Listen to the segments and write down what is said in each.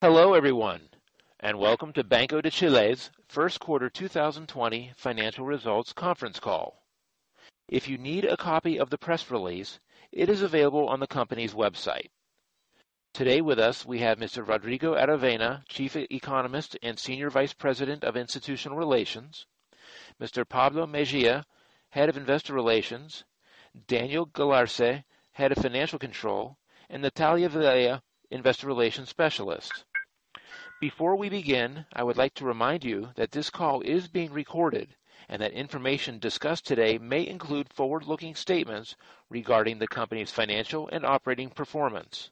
Hello, everyone, and welcome to Banco de Chile's first quarter 2020 financial results conference call. If you need a copy of the press release, it is available on the company's website. Today with us, we have Mr. Rodrigo Aravena, Chief Economist and Senior Vice President of Institutional Relations, Mr. Pablo Mejia, Head of Investor Relations, Daniel Galarce, Head of Financial Control, and Natalia Villela, Investor Relations Specialist. Before we begin, I would like to remind you that this call is being recorded and that information discussed today may include forward-looking statements regarding the company's financial and operating performance.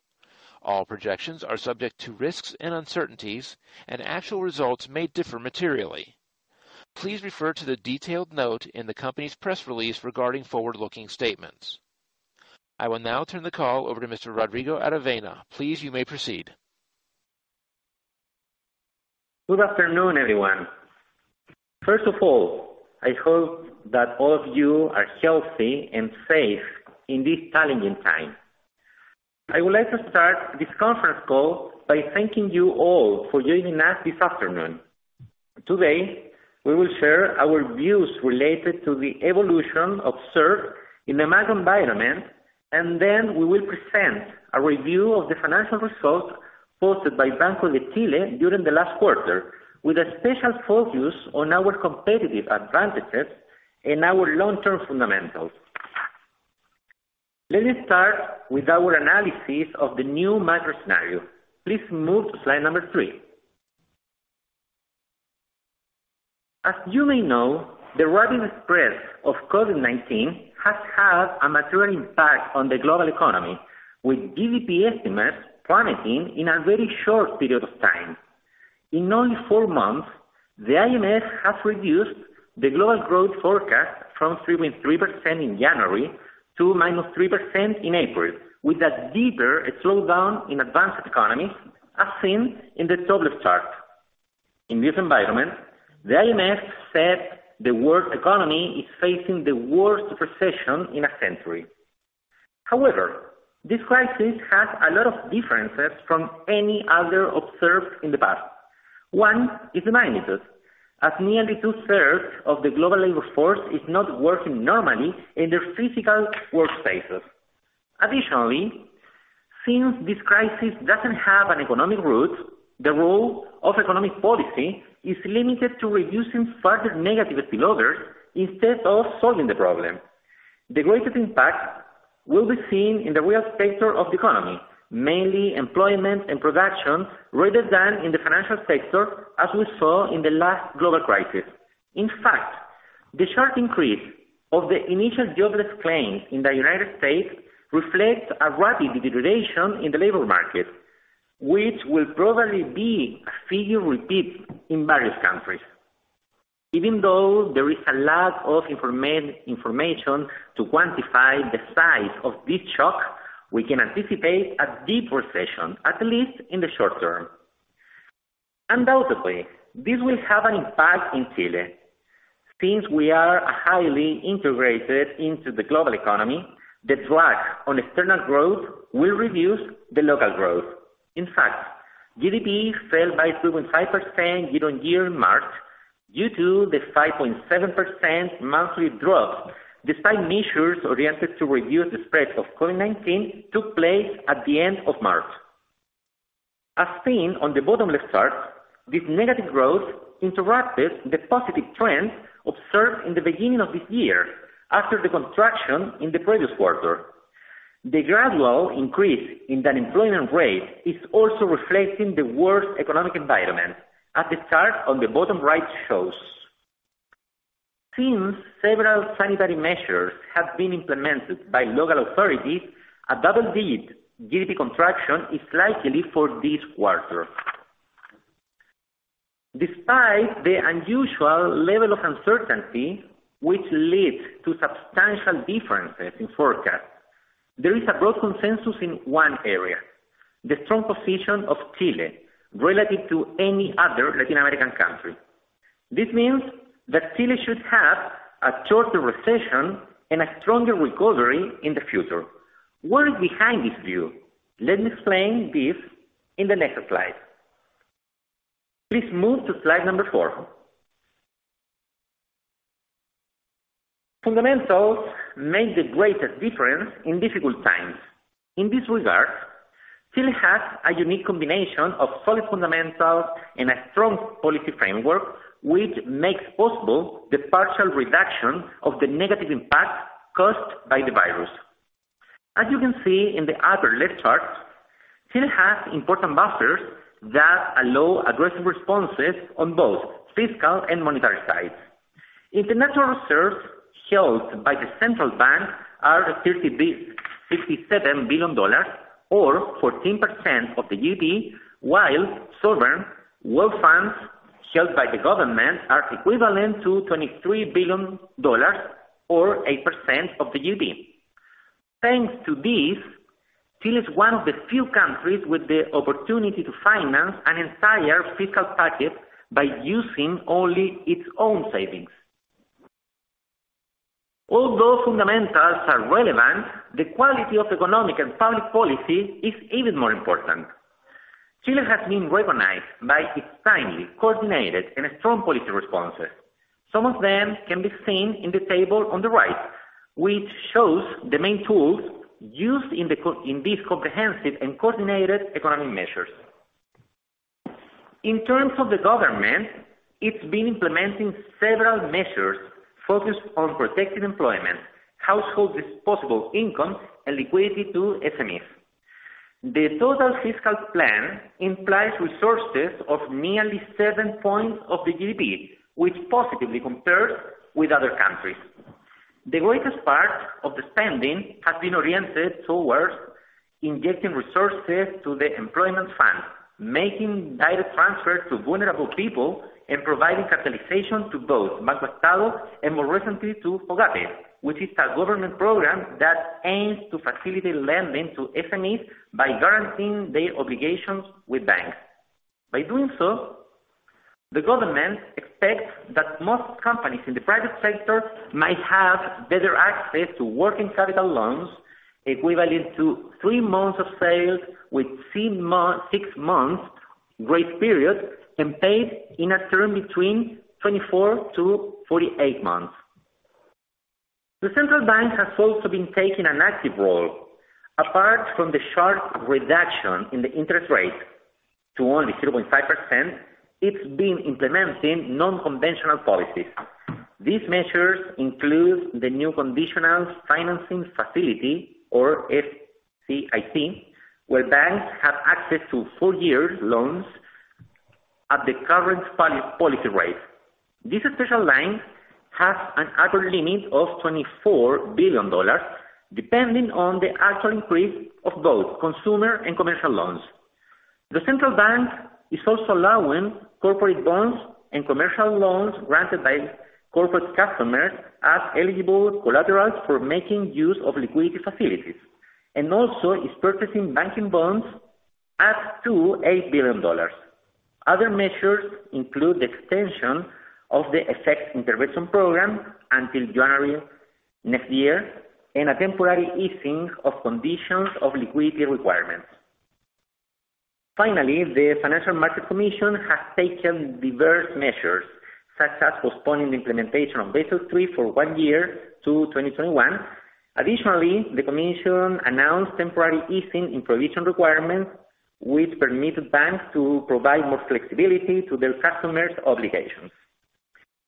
All projections are subject to risks and uncertainties, and actual results may differ materially. Please refer to the detailed note in the company's press release regarding forward-looking statements. I will now turn the call over to Mr. Rodrigo Aravena. Please, you may proceed. Good afternoon, everyone. First of all, I hope that all of you are healthy and safe in this challenging time. I would like to start this conference call by thanking you all for joining us this afternoon. Today, we will share our views related to the evolution observed in the market environment, and then we will present a review of the financial results posted by Banco de Chile during the last quarter, with a special focus on our competitive advantages and our long-term fundamentals. Let me start with our analysis of the new macro scenario. Please move to slide number three. As you may know, the rapid spread of COVID-19 has had a material impact on the global economy, with GDP estimates plummeting in a very short period of time. In only four months, the IMF has reduced the global growth forecast from 3.3% in January to -3% in April, with a deeper slowdown in advanced economies, as seen in the top left chart. In this environment, the IMF said the world economy is facing the worst recession in a century. However, this crisis has a lot of differences from any other observed in the past. One is the magnitude, as nearly two-thirds of the global labor force is not working normally in their physical workspaces. Additionally, since this crisis doesn't have an economic root, the role of economic policy is limited to reducing further negative spillovers instead of solving the problem. The greatest impact will be seen in the real sector of the economy, mainly employment and production, rather than in the financial sector, as we saw in the last global crisis. In fact, the sharp increase of the initial jobless claims in the United States reflects a rapid deterioration in the labor market, which will probably be a figure repeat in various countries. Even though there is a lack of information to quantify the size of this shock, we can anticipate a deep recession, at least in the short term. Undoubtedly, this will have an impact in Chile. We are highly integrated into the global economy, the drag on external growth will reduce the local growth. In fact, GDP fell by 3.5% year-over-year in March due to the 5.7% monthly drop, despite measures oriented to reduce the spread of COVID-19 took place at the end of March. As seen on the bottom left chart, this negative growth interrupted the positive trends observed in the beginning of this year after the contraction in the previous quarter. The gradual increase in the unemployment rate is also reflecting the worst economic environment, as the chart on the bottom right shows. Since several sanitary measures have been implemented by local authorities, a double-digit GDP contraction is likely for this quarter. Despite the unusual level of uncertainty, which leads to substantial differences in forecasts, there is a broad consensus in one area, the strong position of Chile relative to any other Latin American country. This means that Chile should have a shorter recession and a stronger recovery in the future. What is behind this view? Let me explain this in the next slide. Please move to slide number four. Fundamentals make the greatest difference in difficult times. In this regard, Chile has a unique combination of solid fundamentals and a strong policy framework, which makes possible the partial reduction of the negative impact caused by the virus. As you can see in the upper left chart, Chile has important buffers that allow aggressive responses on both fiscal and monetary sides. International reserves held by the central bank are $57 billion, or 14% of the GDP, while sovereign wealth funds held by the government are equivalent to $23 billion, or 8% of the GDP. Thanks to this, Chile is one of the few countries with the opportunity to finance an entire fiscal package by using only its own savings. All those fundamentals are relevant, the quality of economic and public policy is even more important. Chile has been recognized by its timely, coordinated, and strong policy responses. Some of them can be seen in the table on the right, which shows the main tools used in these comprehensive and coordinated economic measures. In terms of the government, it's been implementing several measures focused on protecting employment, household disposable income, and liquidity to SMEs. The total fiscal plan implies resources of nearly seven points of the GDP, which positively compares with other countries. The greatest part of the spending has been oriented towards injecting resources to the employment fund, making direct transfers to vulnerable people, and providing capitalization to both BancoEstado and more recently to FOGAPE, which is a government program that aims to facilitate lending to SMEs by guaranteeing their obligations with banks. By doing so, the government expects that most companies in the private sector might have better access to working capital loans equivalent to three months of sales with six months grace period and paid in a term between 24 to 48 months. The central bank has also been taking an active role. Apart from the sharp reduction in the interest rate to only 0.5%, it's been implementing non-conventional policies. These measures include the new Conditional Financing Facility, or FCIC, where banks have access to four years loans at the current policy rate. This special line has an upper limit of $24 billion, depending on the actual increase of both consumer and commercial loans. The central bank is also allowing corporate bonds and commercial loans granted by corporate customers as eligible collaterals for making use of liquidity facilities, and also is purchasing banking bonds up to $8 billion. Other measures include the extension of the FX intervention program until January next year, and a temporary easing of conditions of liquidity requirements. Finally, the Financial Market Commission has taken diverse measures, such as postponing the implementation of Basel III for one year to 2021. Additionally, the commission announced temporary easing in provision requirements, which permitted banks to provide more flexibility to their customers' obligations.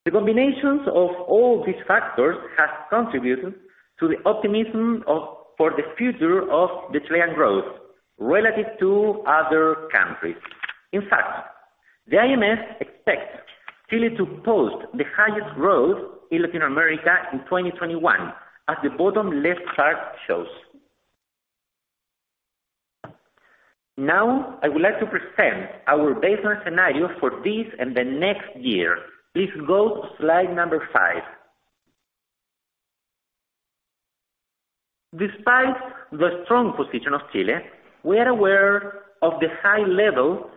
The combinations of all these factors has contributed to the optimism for the future of the Chilean growth relative to other countries. In fact, the IMF expects Chile to post the highest growth in Latin America in 2021, as the bottom left chart shows. Now, I would like to present our baseline scenario for this and the next year. Please go to slide number five. Despite the strong position of Chile, we are aware of the high level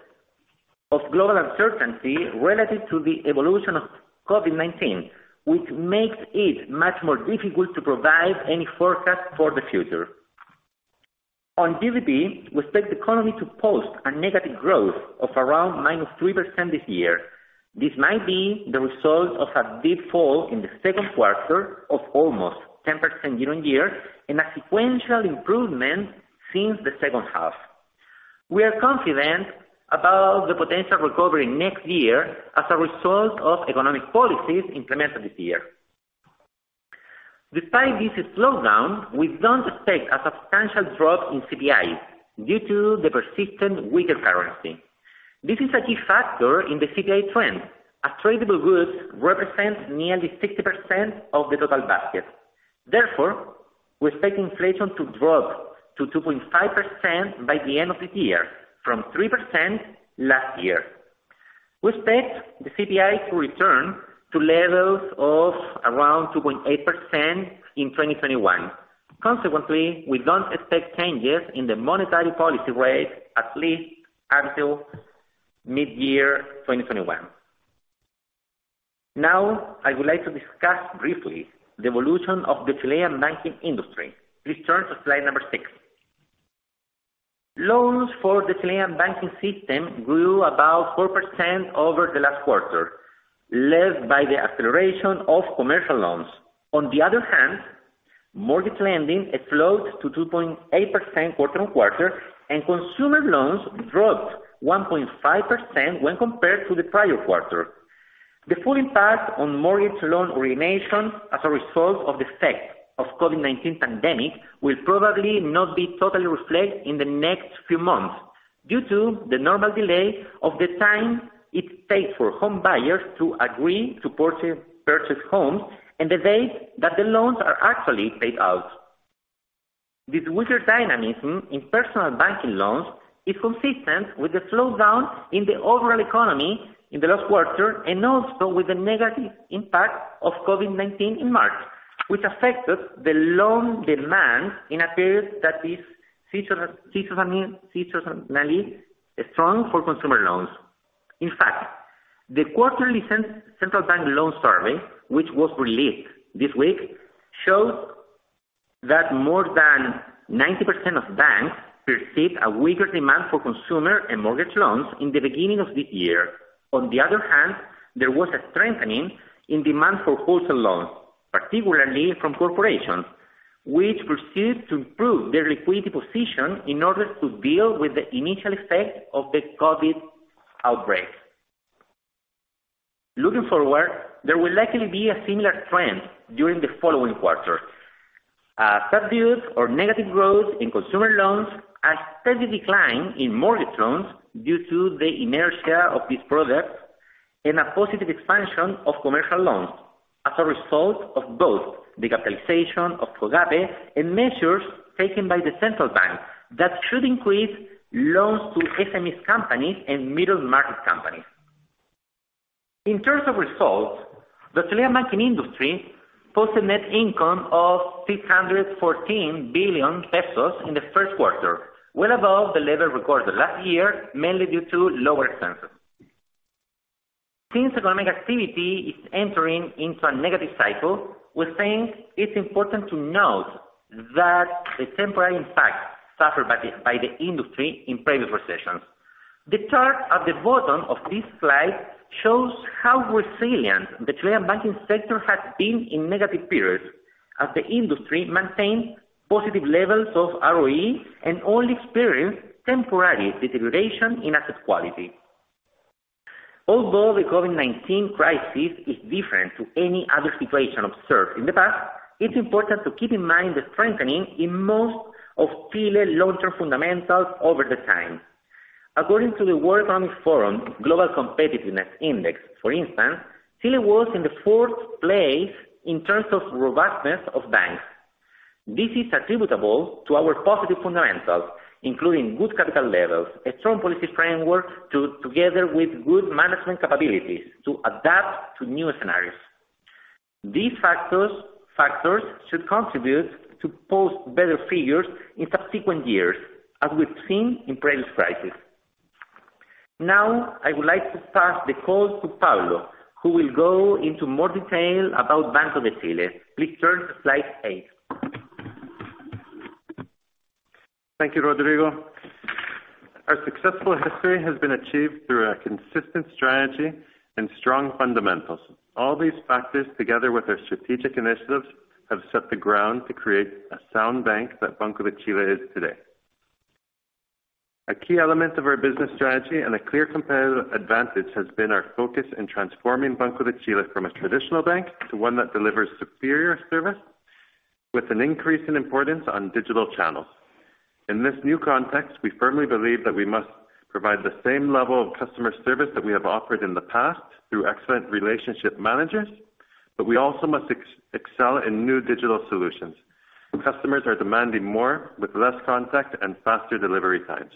of global uncertainty relative to the evolution of COVID-19, which makes it much more difficult to provide any forecast for the future. On GDP, we expect the economy to post a negative growth of around -3% this year. This might be the result of a deep fall in the second quarter of almost 10% year-on-year and a sequential improvement since the second half. We are confident about the potential recovery next year as a result of economic policies implemented this year. Despite this slowdown, we don't expect a substantial drop in CPI due to the persistent weaker currency. This is a key factor in the CPI trend, as tradable goods represent nearly 60% of the total basket. Therefore, we expect inflation to drop to 2.5% by the end of this year from 3% last year. We expect the CPI to return to levels of around 2.8% in 2021. Consequently, we don't expect changes in the monetary policy rate at least until mid-year 2021. Now, I would like to discuss briefly the evolution of the Chilean banking industry. Please turn to slide number six. Loans for the Chilean banking system grew about 4% over the last quarter, led by the acceleration of commercial loans. On the other hand, mortgage lending it flowed to 2.8% quarter-on-quarter, and consumer loans dropped 1.5% when compared to the prior quarter. The full impact on mortgage loan origination as a result of the effect of COVID-19 pandemic will probably not be totally reflected in the next few months due to the normal delay of the time it takes for home buyers to agree to purchase homes and the days that the loans are actually paid out. This weaker dynamism in personal banking loans is consistent with the slowdown in the overall economy in the last quarter and also with the negative impact of COVID-19 in March, which affected the loan demand in a period that is seasonally strong for consumer loans. The quarterly central bank loan survey, which was released this week, shows that more than 90% of banks perceived a weaker demand for consumer and mortgage loans in the beginning of this year. There was a strengthening in demand for wholesale loans, particularly from corporations, which proceeded to improve their liquidity position in order to deal with the initial effect of the COVID outbreak. Looking forward, there will likely be a similar trend during the following quarter. Subdued or negative growth in consumer loans, a steady decline in mortgage loans due to the inertia of this product, and a positive expansion of commercial loans as a result of both the capitalization of FOGAPE and measures taken by the central bank that should increase loans to SME companies and middle-market companies. In terms of results, the Chilean banking industry posted net income of 614 billion pesos in the first quarter, well above the level recorded last year, mainly due to lower expenses. Economic activity is entering into a negative cycle, we think it's important to note that the temporary impact suffered by the industry in previous recessions. The chart at the bottom of this slide shows how resilient the Chilean banking sector has been in negative periods, as the industry maintains positive levels of ROE and only experienced temporary deterioration in asset quality. Although the COVID-19 crisis is different to any other situation observed in the past, it's important to keep in mind the strengthening in most of Chile long-term fundamentals over the time. According to the World Economic Forum Global Competitiveness Index, for instance, Chile was in the fourth place in terms of robustness of banks. This is attributable to our positive fundamentals, including good capital levels, a strong policy framework, together with good management capabilities to adapt to new scenarios. These factors should contribute to post better figures in subsequent years, as we've seen in previous crises. Now, I would like to pass the call to Pablo, who will go into more detail about Banco de Chile. Please turn to slide eight. Thank you, Rodrigo. Our successful history has been achieved through a consistent strategy and strong fundamentals. All these factors, together with our strategic initiatives, have set the ground to create a sound bank that Banco de Chile is today. A key element of our business strategy and a clear competitive advantage has been our focus in transforming Banco de Chile from a traditional bank to one that delivers superior service with an increase in importance on digital channels. In this new context, we firmly believe that we must provide the same level of customer service that we have offered in the past through excellent relationship managers, but we also must excel in new digital solutions. Customers are demanding more with less contact and faster delivery times.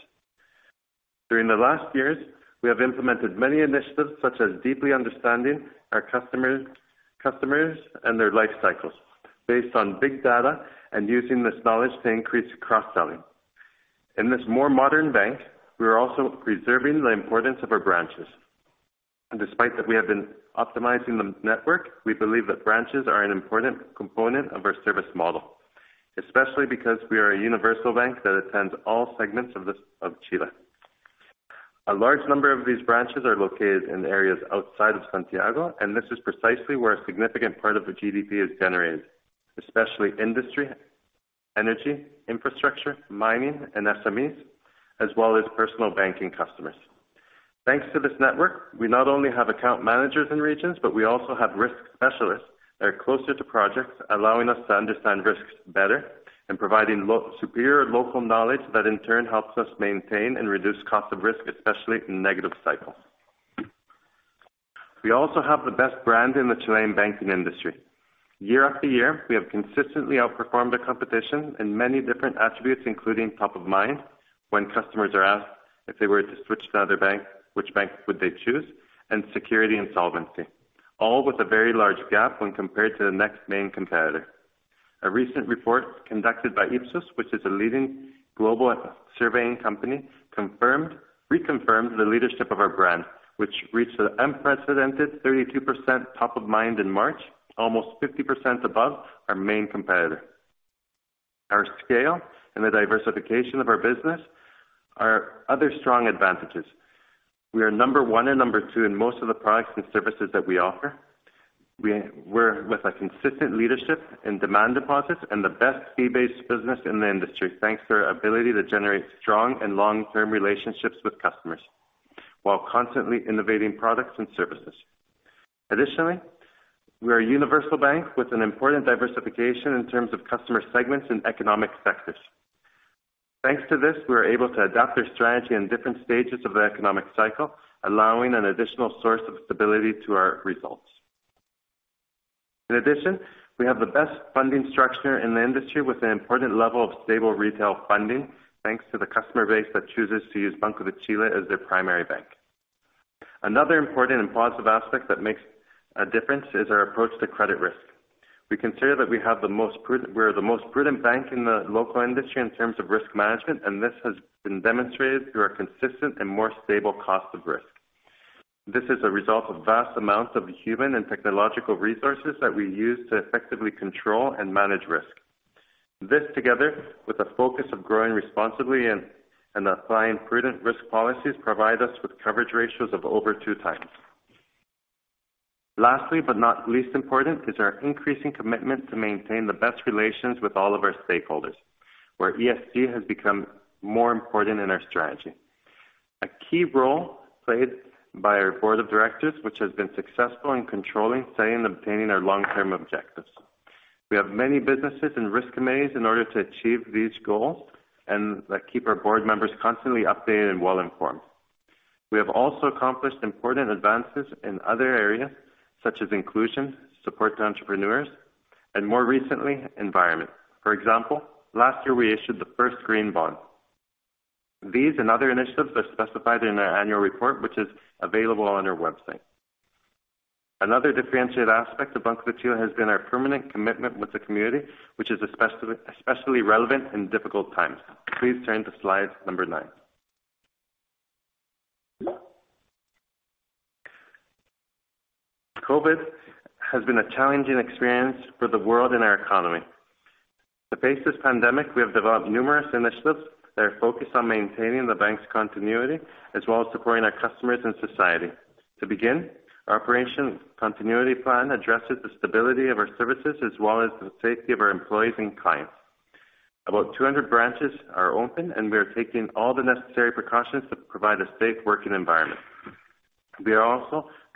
During the last years, we have implemented many initiatives, such as deeply understanding our customers and their life cycles based on big data and using this knowledge to increase cross-selling. In this more modern bank, we are also preserving the importance of our branches. Despite that we have been optimizing the network, we believe that branches are an important component of our service model, especially because we are a universal bank that attends all segments of Chile. A large number of these branches are located in areas outside of Santiago, and this is precisely where a significant part of the GDP is generated, especially industry, energy, infrastructure, mining, and SMEs, as well as personal banking customers. Thanks to this network, we not only have account managers in regions, but we also have risk specialists that are closer to projects, allowing us to understand risks better and providing superior local knowledge that in turn helps us maintain and reduce cost of risk, especially in negative cycles. We also have the best brand in the Chilean banking industry. Year after year, we have consistently outperformed the competition in many different attributes, including top of mind, when customers are asked if they were to switch to another bank, which bank would they choose, and security and solvency, all with a very large gap when compared to the next main competitor. A recent report conducted by Ipsos, which is a leading global surveying company, reconfirms the leadership of our brand, which reached an an unprecedented 32% top of mind in March, almost 50% above our main competitor. Our scale and the diversification of our business are other strong advantages. We are number 1 and number 2 in most of the products and services that we offer. We're with a consistent leadership in demand deposits and the best fee-based business in the industry, thanks to our ability to generate strong and long-term relationships with customers while constantly innovating products and services. Additionally, we are a universal bank with an important diversification in terms of customer segments and economic sectors. Thanks to this, we are able to adapt our strategy in different stages of the economic cycle, allowing an additional source of stability to our results. In addition, we have the best funding structure in the industry with an important level of stable retail funding, thanks to the customer base that chooses to use Banco de Chile as their primary bank. Another important and positive aspect that makes a difference is our approach to credit risk. We consider that we are the most prudent bank in the local industry in terms of risk management, and this has been demonstrated through our consistent and more stable cost of risk. This is a result of vast amounts of human and technological resources that we use to effectively control and manage risk. This, together with a focus of growing responsibly and applying prudent risk policies, provide us with coverage ratios of over two times. Lastly, but not least important, is our increasing commitment to maintain the best relations with all of our stakeholders, where ESG has become more important in our strategy. A key role played by our board of directors, which has been successful in controlling, setting, and obtaining our long-term objectives. We have many businesses and risk committees in order to achieve these goals and that keep our board members constantly updated and well-informed. We have also accomplished important advances in other areas such as inclusion, support to entrepreneurs, and more recently, environment. For example, last year we issued the first green bond. These and other initiatives are specified in our annual report, which is available on our website. Another differentiated aspect of Banco de Chile has been our permanent commitment with the community, which is especially relevant in difficult times. Please turn to slide number nine. COVID has been a challenging experience for the world and our economy. To face this pandemic, we have developed numerous initiatives that are focused on maintaining the bank's continuity, as well as supporting our customers and society. To begin, our operation continuity plan addresses the stability of our services as well as the safety of our employees and clients. About 200 branches are open, and we are taking all the necessary precautions to provide a safe working environment. We are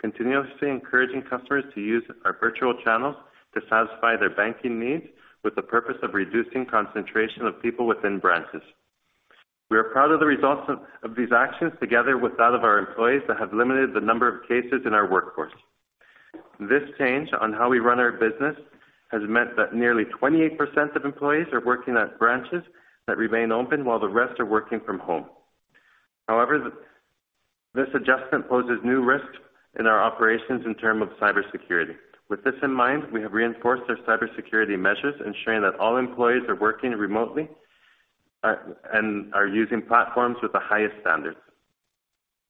also continuously encouraging customers to use our virtual channels to satisfy their banking needs with the purpose of reducing concentration of people within branches. We are proud of the results of these actions, together with that of our employees, that have limited the number of cases in our workforce. This change on how we run our business has meant that nearly 28% of employees are working at branches that remain open while the rest are working from home. However, this adjustment poses new risks in our operations in terms of cybersecurity. With this in mind, we have reinforced our cybersecurity measures, ensuring that all employees are working remotely and are using platforms with the highest standards.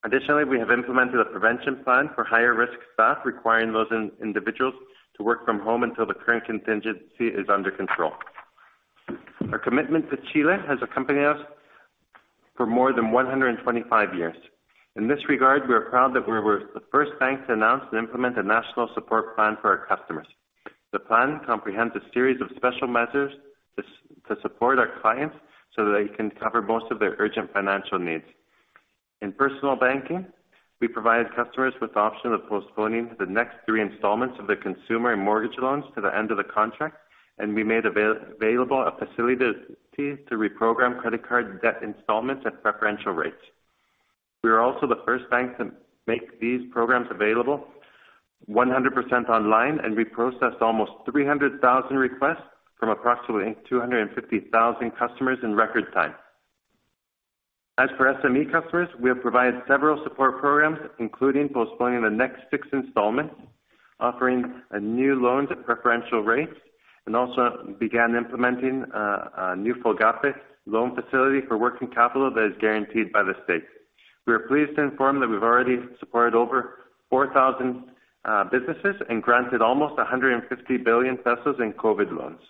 Additionally, we have implemented a prevention plan for higher risk staff, requiring those individuals to work from home until the current contingency is under control. Our commitment to Chile has accompanied us for more than 125 years. In this regard, we are proud that we were the first bank to announce and implement a national support plan for our customers. The plan comprehends a series of special measures to support our clients so that they can cover most of their urgent financial needs. In personal banking, we provided customers with the option of postponing the next three installments of their consumer and mortgage loans to the end of the contract, and we made available a facility to reprogram credit card debt installments at preferential rates. We are also the first bank to make these programs available 100% online. We processed almost 300,000 requests from approximately 250,000 customers in record time. As for SME customers, we have provided several support programs, including postponing the next fixed installment, offering new loans at preferential rates, and also began implementing a new FOGAPE loan facility for working capital that is guaranteed by the state. We are pleased to inform that we've already supported over 4,000 businesses and granted almost 150 billion pesos in COVID loans.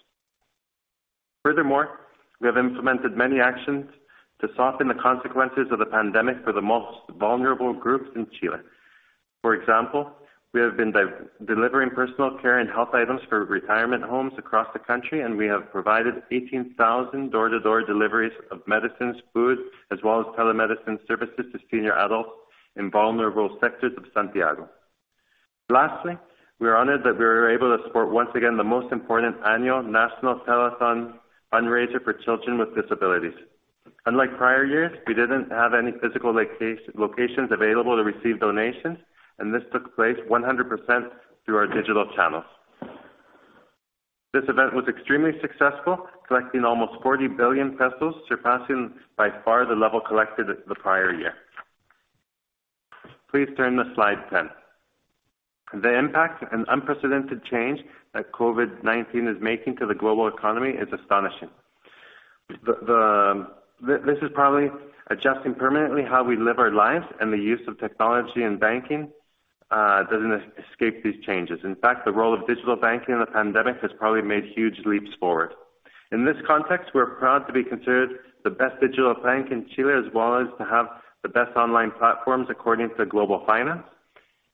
Furthermore, we have implemented many actions to soften the consequences of the pandemic for the most vulnerable groups in Chile. For example, we have been delivering personal care and health items for retirement homes across the country, and we have provided 18,000 door-to-door deliveries of medicines, food, as well as telemedicine services to senior adults in vulnerable sectors of Santiago. Lastly, we are honored that we were able to support once again the most important annual national telethon fundraiser for children with disabilities. Unlike prior years, we didn't have any physical locations available to receive donations, and this took place 100% through our digital channels. This event was extremely successful, collecting almost 40 billion pesos, surpassing by far the level collected the prior year. Please turn to slide 10. The impact and unprecedented change that COVID-19 is making to the global economy is astonishing. This is probably adjusting permanently how we live our lives, and the use of technology in banking doesn't escape these changes. In fact, the role of digital banking in the pandemic has probably made huge leaps forward. In this context, we're proud to be considered the best digital bank in Chile as well as to have the best online platforms according to Global Finance.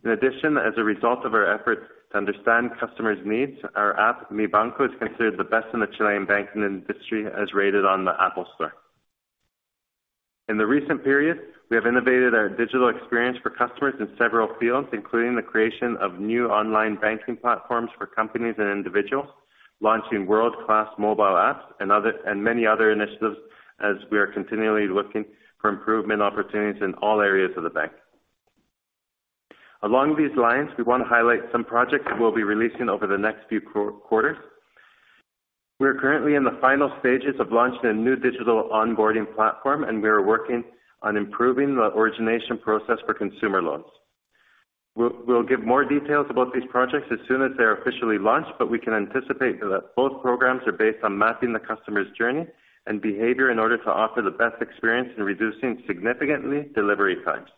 In addition, as a result of our efforts to understand customers' needs, our app, Mi Banco, is considered the best in the Chilean banking industry as rated on the App Store. In the recent period, we have innovated our digital experience for customers in several fields, including the creation of new online banking platforms for companies and individuals, launching world-class mobile apps, and many other initiatives as we are continually looking for improvement opportunities in all areas of the bank. Along these lines, we want to highlight some projects that we'll be releasing over the next few quarters. We are currently in the final stages of launching a new digital onboarding platform, and we are working on improving the origination process for consumer loans. We'll give more details about these projects as soon as they're officially launched. We can anticipate that both programs are based on mapping the customer's journey and behavior in order to offer the best experience in reducing, significantly, delivery times.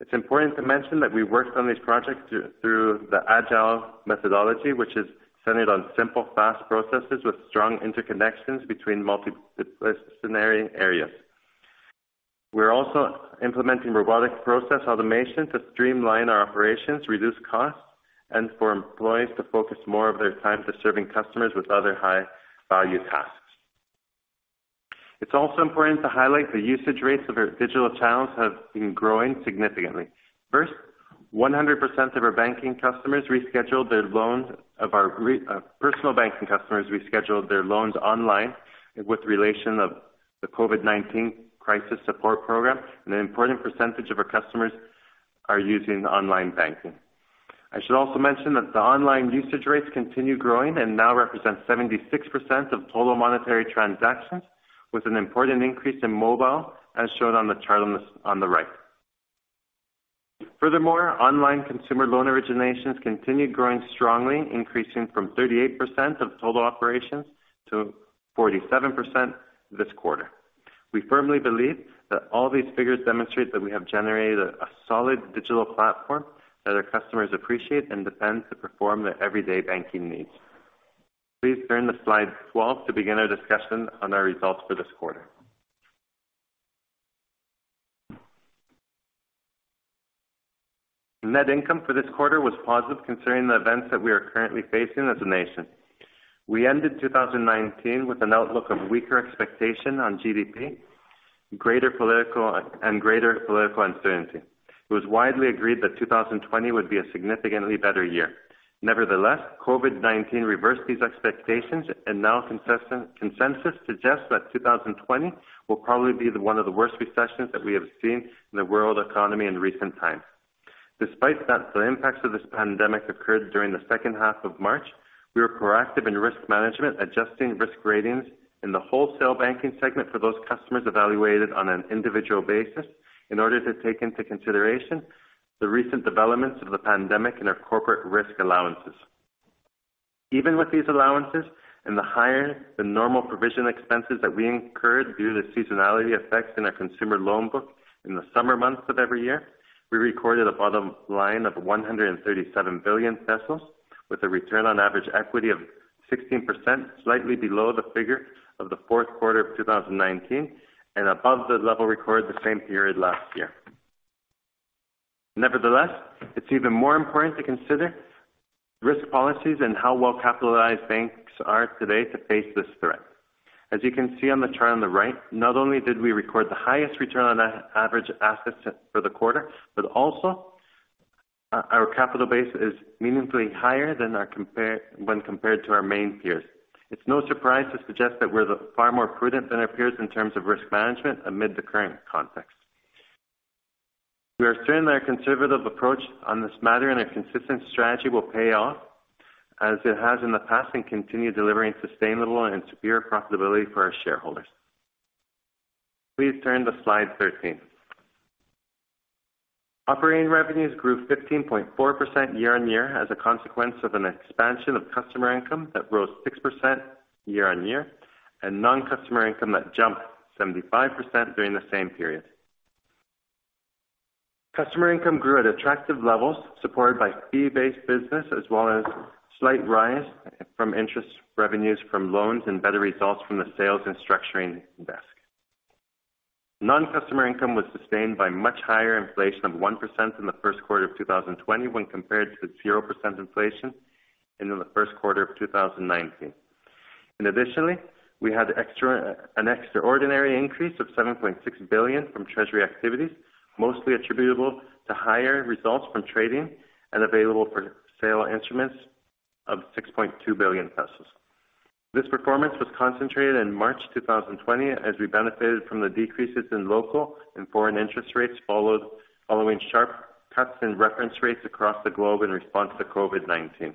It's important to mention that we worked on these projects through the Agile methodology, which is centered on simple, fast processes with strong interconnections between multidisciplinary areas. We're also implementing robotic process automation to streamline our operations, reduce costs, and for employees to focus more of their time to serving customers with other high-value tasks. It's also important to highlight the usage rates of our digital channels have been growing significantly. First, 100% of our personal banking customers rescheduled their loans online with relation of the COVID-19 crisis support program, and an important percentage of our customers are using online banking. I should also mention that the online usage rates continue growing and now represent 76% of total monetary transactions, with an important increase in mobile, as shown on the chart on the right. Online consumer loan originations continued growing strongly, increasing from 38% of total operations to 47% this quarter. We firmly believe that all these figures demonstrate that we have generated a solid digital platform that our customers appreciate and depend to perform their everyday banking needs. Please turn to slide 12 to begin our discussion on our results for this quarter. Net income for this quarter was positive considering the events that we are currently facing as a nation. We ended 2019 with an outlook of weaker expectation on GDP and greater political uncertainty. It was widely agreed that 2020 would be a significantly better year. Nevertheless, COVID-19 reversed these expectations. Now consensus suggests that 2020 will probably be one of the worst recessions that we have seen in the world economy in recent times. Despite that the impacts of this pandemic occurred during the second half of March, we were proactive in risk management, adjusting risk ratings in the wholesale banking segment for those customers evaluated on an individual basis in order to take into consideration the recent developments of the pandemic and our corporate risk allowances. Even with these allowances and the higher-than-normal provision expenses that we incurred due to seasonality effects in our consumer loan book in the summer months of every year, we recorded a bottom line of 137 billion pesos with a return on average equity of 16%, slightly below the figure of the fourth quarter of 2019 and above the level recorded the same period last year. Nevertheless, it's even more important to consider risk policies and how well-capitalized banks are today to face this threat. As you can see on the chart on the right, not only did we record the highest return on average assets for the quarter, but also our capital base is meaningfully higher when compared to our main peers. It's no surprise to suggest that we're far more prudent than our peers in terms of risk management amid the current context. We are certain that our conservative approach on this matter and a consistent strategy will pay off as it has in the past and continue delivering sustainable and superior profitability for our shareholders. Please turn to slide 13. Operating revenues grew 15.4% year-on-year as a consequence of an expansion of customer income that rose 6% year-on-year and non-customer income that jumped 75% during the same period. Customer income grew at attractive levels, supported by fee-based business as well as slight rise from interest revenues from loans and better results from the sales and structuring desk. Non-customer income was sustained by much higher inflation of 1% in the first quarter of 2020 when compared to the 0% inflation in the first quarter of 2019. Additionally, we had an extraordinary increase of 7.6 billion from treasury activities, mostly attributable to higher results from trading and available-for-sale instruments of 6.2 billion pesos. This performance was concentrated in March 2020 as we benefited from the decreases in local and foreign interest rates following sharp cuts in reference rates across the globe in response to COVID-19.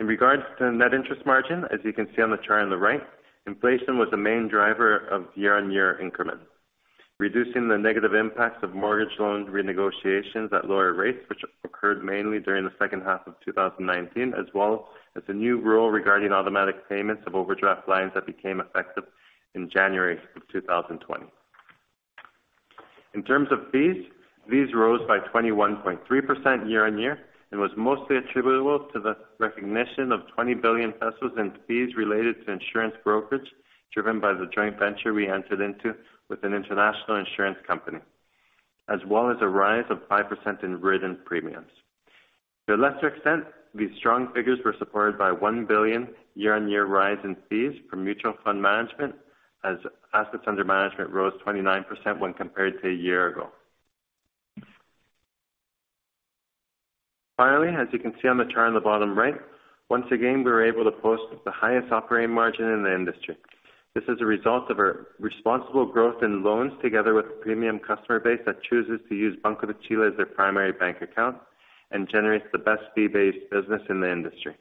In regards to net interest margin, as you can see on the chart on the right, inflation was the main driver of year-on-year increment, reducing the negative impacts of mortgage loan renegotiations at lower rates, which occurred mainly during the second half of 2019, as well as the new rule regarding automatic payments of overdraft lines that became effective in January of 2020. In terms of fees rose by 21.3% year-on-year and was mostly attributable to the recognition of 20 billion pesos in fees related to insurance brokerage driven by the joint venture we entered into with an international insurance company, as well as a rise of 5% in written premiums. To a lesser extent, these strong figures were supported by 1 billion year-on-year rise in fees from mutual fund management as assets under management rose 29% when compared to a year ago. Finally, as you can see on the chart on the bottom right, once again, we were able to post the highest operating margin in the industry. This is a result of our responsible growth in loans together with premium customer base that chooses to use Banco de Chile as their primary bank account, and generates the best fee-based business in the industry.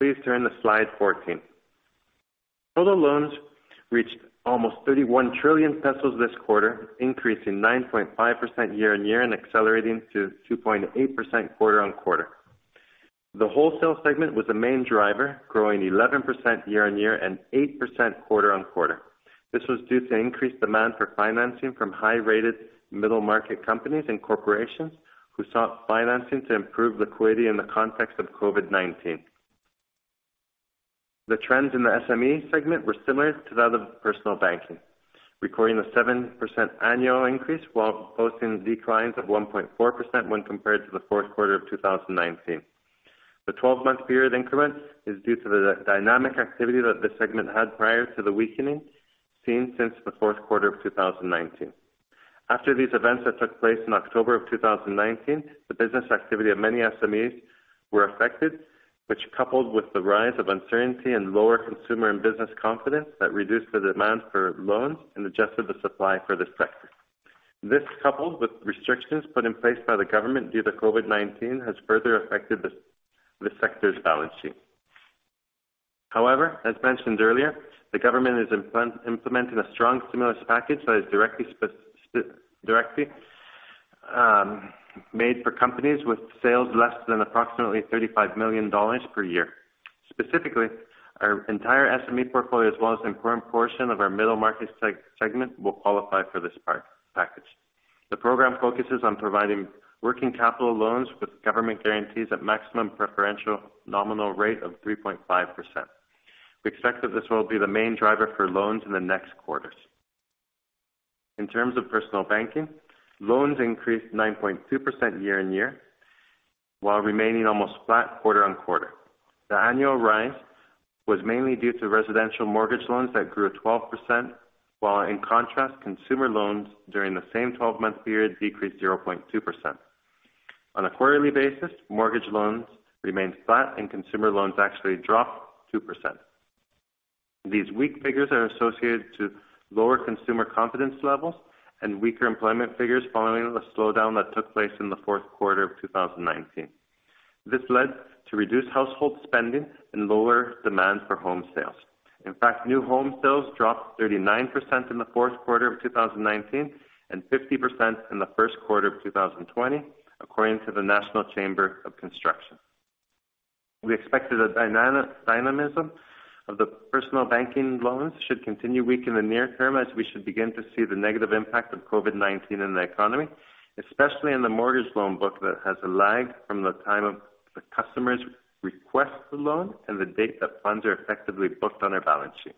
Please turn to slide 14. Total loans reached almost 31 trillion pesos this quarter, increasing 9.5% year-on-year and accelerating to 2.8% quarter-on-quarter. The wholesale segment was the main driver, growing 11% year-on-year and eight% quarter-on-quarter. This was due to increased demand for financing from high-rated middle market companies and corporations who sought financing to improve liquidity in the context of COVID-19. The trends in the SME segment were similar to that of personal banking, recording a 7% annual increase while posting declines of 1.4% when compared to the fourth quarter of 2019. The 12-month period increments is due to the dynamic activity that this segment had prior to the weakening seen since the fourth quarter of 2019. After these events that took place in October of 2019, the business activity of many SMEs were affected, which coupled with the rise of uncertainty and lower consumer and business confidence that reduced the demand for loans and adjusted the supply for this sector. This, coupled with restrictions put in place by the government due to COVID-19, has further affected the sector's balance sheet. As mentioned earlier, the government is implementing a strong stimulus package that is directly made for companies with sales less than approximately CLP 35 million per year. Specifically, our entire SME portfolio as well as an important portion of our middle market segment will qualify for this package. The program focuses on providing working capital loans with government guarantees at maximum preferential nominal rate of 3.5%. We expect that this will be the main driver for loans in the next quarters. In terms of personal banking, loans increased 9.2% year-on-year, while remaining almost flat quarter-on-quarter. The annual rise was mainly due to residential mortgage loans that grew 12%, while in contrast, consumer loans during the same 12-month period decreased 0.2%. On a quarterly basis, mortgage loans remained flat and consumer loans actually dropped 2%. These weak figures are associated to lower consumer confidence levels and weaker employment figures following the slowdown that took place in the fourth quarter of 2019. This led to reduced household spending and lower demand for home sales. In fact, new home sales dropped 39% in the fourth quarter of 2019, and 50% in the first quarter of 2020, according to the Chilean Chamber of Construction. We expected a dynamism of the personal banking loans should continue weak in the near term, as we should begin to see the negative impact of COVID-19 in the economy, especially in the mortgage loan book that has a lag from the time of the customer's request for the loan and the date that funds are effectively booked on our balance sheet.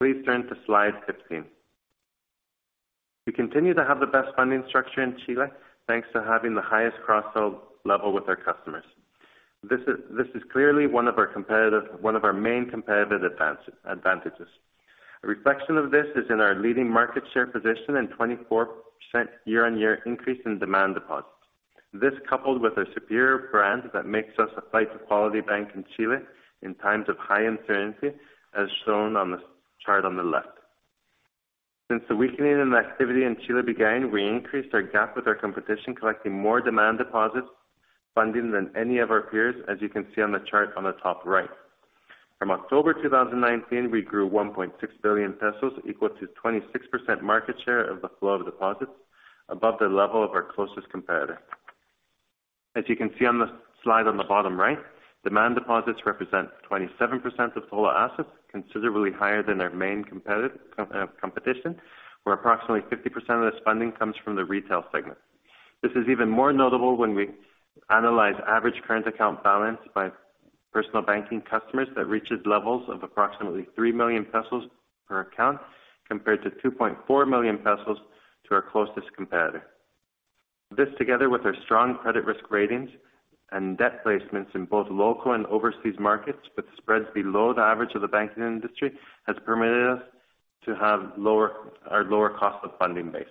Please turn to slide 15. We continue to have the best funding structure in Chile, thanks to having the highest cross-sell level with our customers. A reflection of this is in our leading market share position and 24% year-on-year increase in demand deposits. This coupled with a superior brand that makes us a flight-to-quality bank in Chile in times of high uncertainty, as shown on the chart on the left. Since the weakening in activity in Chile began, we increased our gap with our competition, collecting more demand deposits funding than any of our peers, as you can see on the chart on the top right. From October 2019, we grew 1.6 billion pesos, equal to 26% market share of the flow of deposits above the level of our closest competitor. As you can see on the slide on the bottom right, demand deposits represent 27% of total assets, considerably higher than our main competition, where approximately 50% of this funding comes from the retail segment. This is even more notable when we analyze average current account balance by personal banking customers that reaches levels of approximately 3 million pesos per account, compared to 2.4 million pesos to our closest competitor. This, together with our strong credit risk ratings and debt placements in both local and overseas markets, but spreads below the average of the banking industry, has permitted us to have our lower cost of funding base.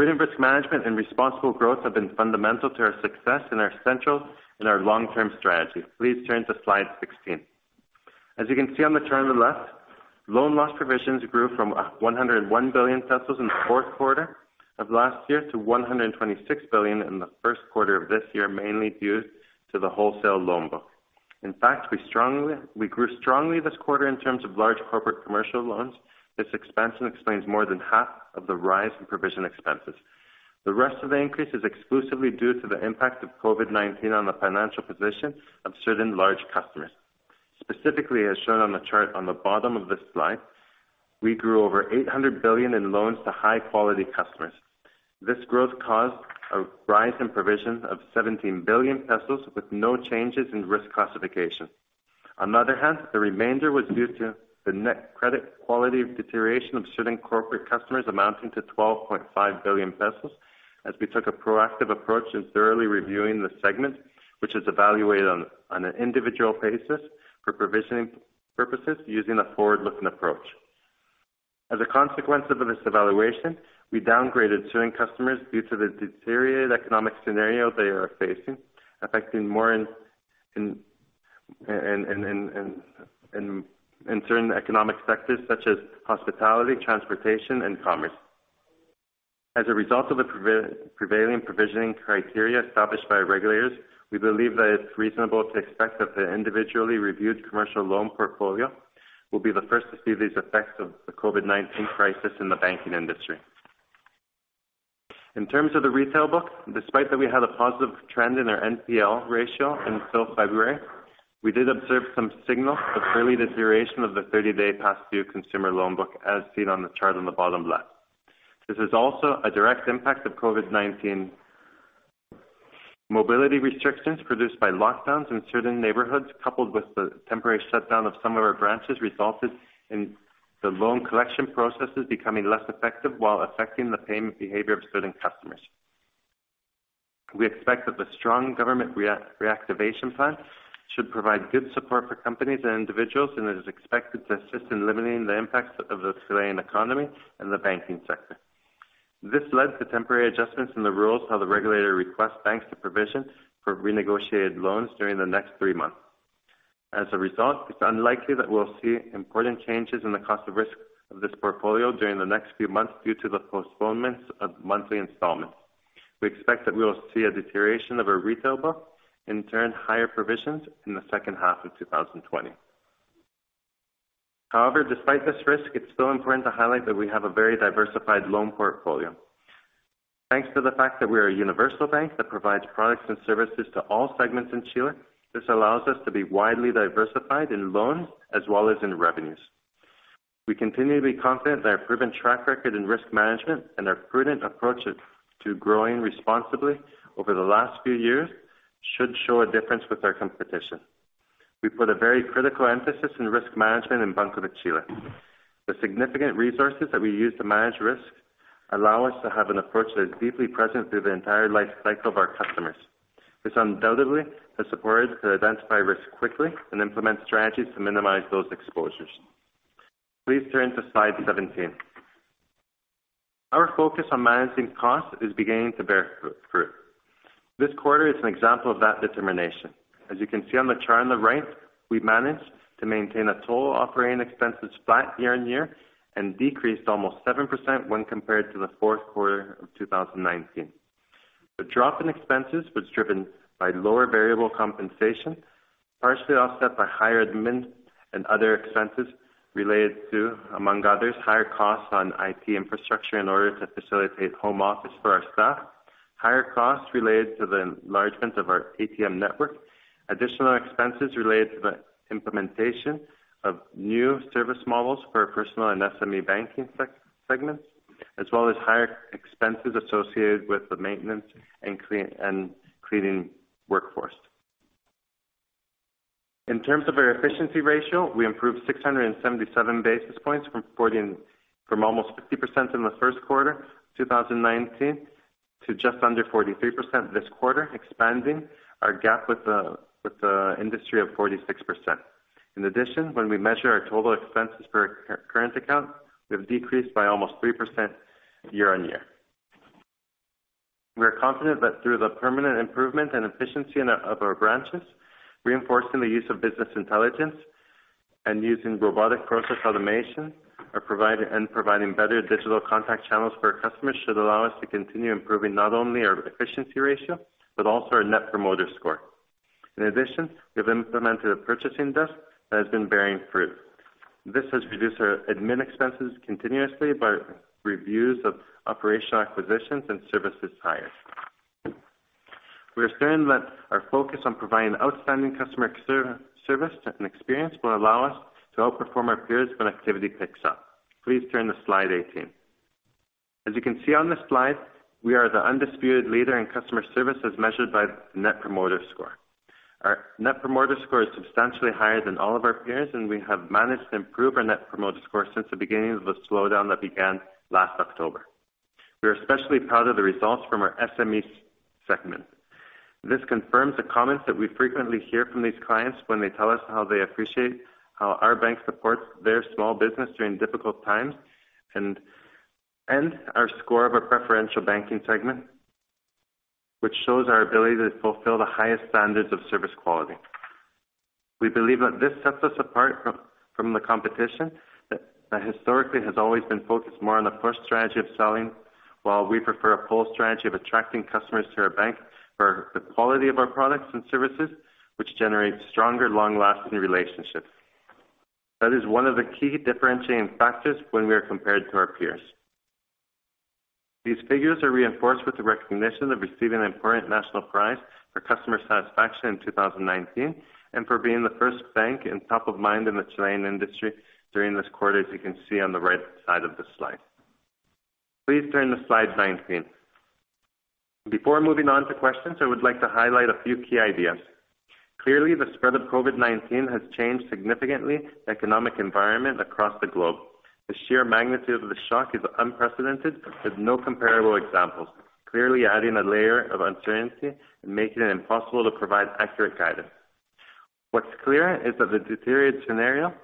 Credit risk management and responsible growth have been fundamental to our success and are central in our long-term strategy. Please turn to slide 16. As you can see on the chart on the left, loan loss provisions grew from 101 billion pesos in the fourth quarter of last year to 126 billion in the first quarter of this year, mainly due to the wholesale loan book. In fact, we grew strongly this quarter in terms of large corporate commercial loans. This expansion explains more than half of the rise in provision expenses. The rest of the increase is exclusively due to the impact of COVID-19 on the financial position of certain large customers. Specifically, as shown on the chart on the bottom of this slide, we grew over 800 billion in loans to high-quality customers. This growth caused a rise in provision of 17 billion pesos with no changes in risk classification. On the other hand, the remainder was due to the net credit quality deterioration of certain corporate customers amounting to 12.5 billion pesos, as we took a proactive approach in thoroughly reviewing the segment, which is evaluated on an individual basis for provisioning purposes using a forward-looking approach. As a consequence of this evaluation, we downgraded certain customers due to the deteriorated economic scenario they are facing, affecting more in certain economic sectors such as hospitality, transportation, and commerce. As a result of the prevailing provisioning criteria established by regulators, we believe that it's reasonable to expect that the individually reviewed commercial loan portfolio will be the first to see these effects of the COVID-19 crisis in the banking industry. In terms of the retail book, despite that we had a positive trend in our NPL ratio until February, we did observe some signal of early deterioration of the 30-day past due consumer loan book as seen on the chart on the bottom left. This is also a direct impact of COVID-19 mobility restrictions produced by lockdowns in certain neighborhoods, coupled with the temporary shutdown of some of our branches, resulted in the loan collection processes becoming less effective while affecting the payment behavior of certain customers. We expect that the strong government reactivation plan should provide good support for companies and individuals, and it is expected to assist in limiting the impacts of the Chilean economy and the banking sector. This led to temporary adjustments in the rules how the regulator requests banks to provision for renegotiated loans during the next three months. As a result, it's unlikely that we'll see important changes in the cost of risk of this portfolio during the next few months due to the postponements of monthly installments. We expect that we will see a deterioration of our retail book, in turn, higher provisions in the second half of 2020. Despite this risk, it's still important to highlight that we have a very diversified loan portfolio. Thanks to the fact that we are a universal bank that provides products and services to all segments in Chile, this allows us to be widely diversified in loans as well as in revenues. We continue to be confident that our proven track record in risk management and our prudent approach to growing responsibly over the last few years should show a difference with our competition. We put a very critical emphasis on risk management in Banco de Chile. The significant resources that we use to manage risk allow us to have an approach that is deeply present through the entire life cycle of our customers. This undoubtedly has supported to identify risk quickly and implement strategies to minimize those exposures. Please turn to slide 17. Our focus on managing costs is beginning to bear fruit. This quarter is an example of that determination. As you can see on the chart on the right, we managed to maintain our total operating expenses flat year-on-year and decreased almost 7% when compared to the fourth quarter of 2019. The drop in expenses was driven by lower variable compensation, partially offset by higher admin and other expenses related to, among others, higher costs on IT infrastructure in order to facilitate home office for our staff, higher costs related to the enlargement of our ATM network, additional expenses related to the implementation of new service models for personal and SME banking segments, as well as higher expenses associated with the maintenance and cleaning workforce. In terms of our efficiency ratio, we improved 677 basis points from almost 50% in the first quarter 2019 to just under 43% this quarter, expanding our gap with the industry of 46%. In addition, when we measure our total expenses per current account, we have decreased by almost 3% year-on-year. We are confident that through the permanent improvement and efficiency of our branches, reinforcing the use of business intelligence and using robotic process automation, and providing better digital contact channels for our customers should allow us to continue improving not only our efficiency ratio but also our net promoter score. In addition, we have implemented a purchasing desk that has been bearing fruit. This has reduced our admin expenses continuously by reviews of operational acquisitions and services hires. We are certain that our focus on providing outstanding customer service and experience will allow us to outperform our peers when activity picks up. Please turn to slide 18. As you can see on the slide, we are the undisputed leader in customer service as measured by net promoter score. Our net promoter score is substantially higher than all of our peers, and we have managed to improve our net promoter score since the beginning of the slowdown that began last October. We are especially proud of the results from our SME segment. This confirms the comments that we frequently hear from these clients when they tell us how they appreciate how our bank supports their small business during difficult times and our score of a preferential banking segment, which shows our ability to fulfill the highest standards of service quality. We believe that this sets us apart from the competition that historically has always been focused more on the push strategy of selling, while we prefer a pull strategy of attracting customers to our bank for the quality of our products and services, which generates stronger, long-lasting relationships. That is one of the key differentiating factors when we are compared to our peers. These figures are reinforced with the recognition of receiving an important national prize for customer satisfaction in 2019 and for being the first bank and top of mind in the Chilean industry during this quarter, as you can see on the right side of the slide. Please turn to slide 19. Before moving on to questions, I would like to highlight a few key ideas. Clearly, the spread of COVID-19 has changed significantly the economic environment across the globe. The sheer magnitude of the shock is unprecedented with no comparable examples, clearly adding a layer of uncertainty and making it impossible to provide accurate guidance. What's clear is that the deteriorated scenario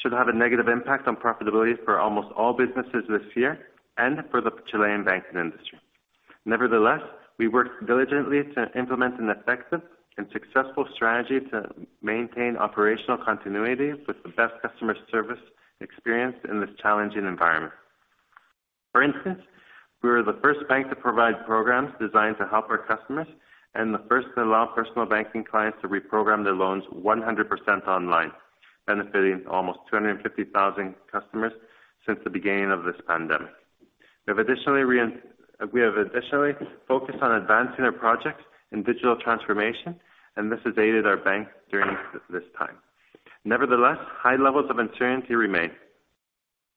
should have a negative impact on profitability for almost all businesses this year and for the Chilean banking industry. Nevertheless, we worked diligently to implement an effective and successful strategy to maintain operational continuity with the best customer service experience in this challenging environment. For instance, we were the first bank to provide programs designed to help our customers, and the first to allow personal banking clients to reprogram their loans 100% online, benefiting almost 250,000 customers since the beginning of this pandemic. We have additionally focused on advancing our projects in digital transformation, and this has aided our bank during this time. Nevertheless, high levels of uncertainty remain.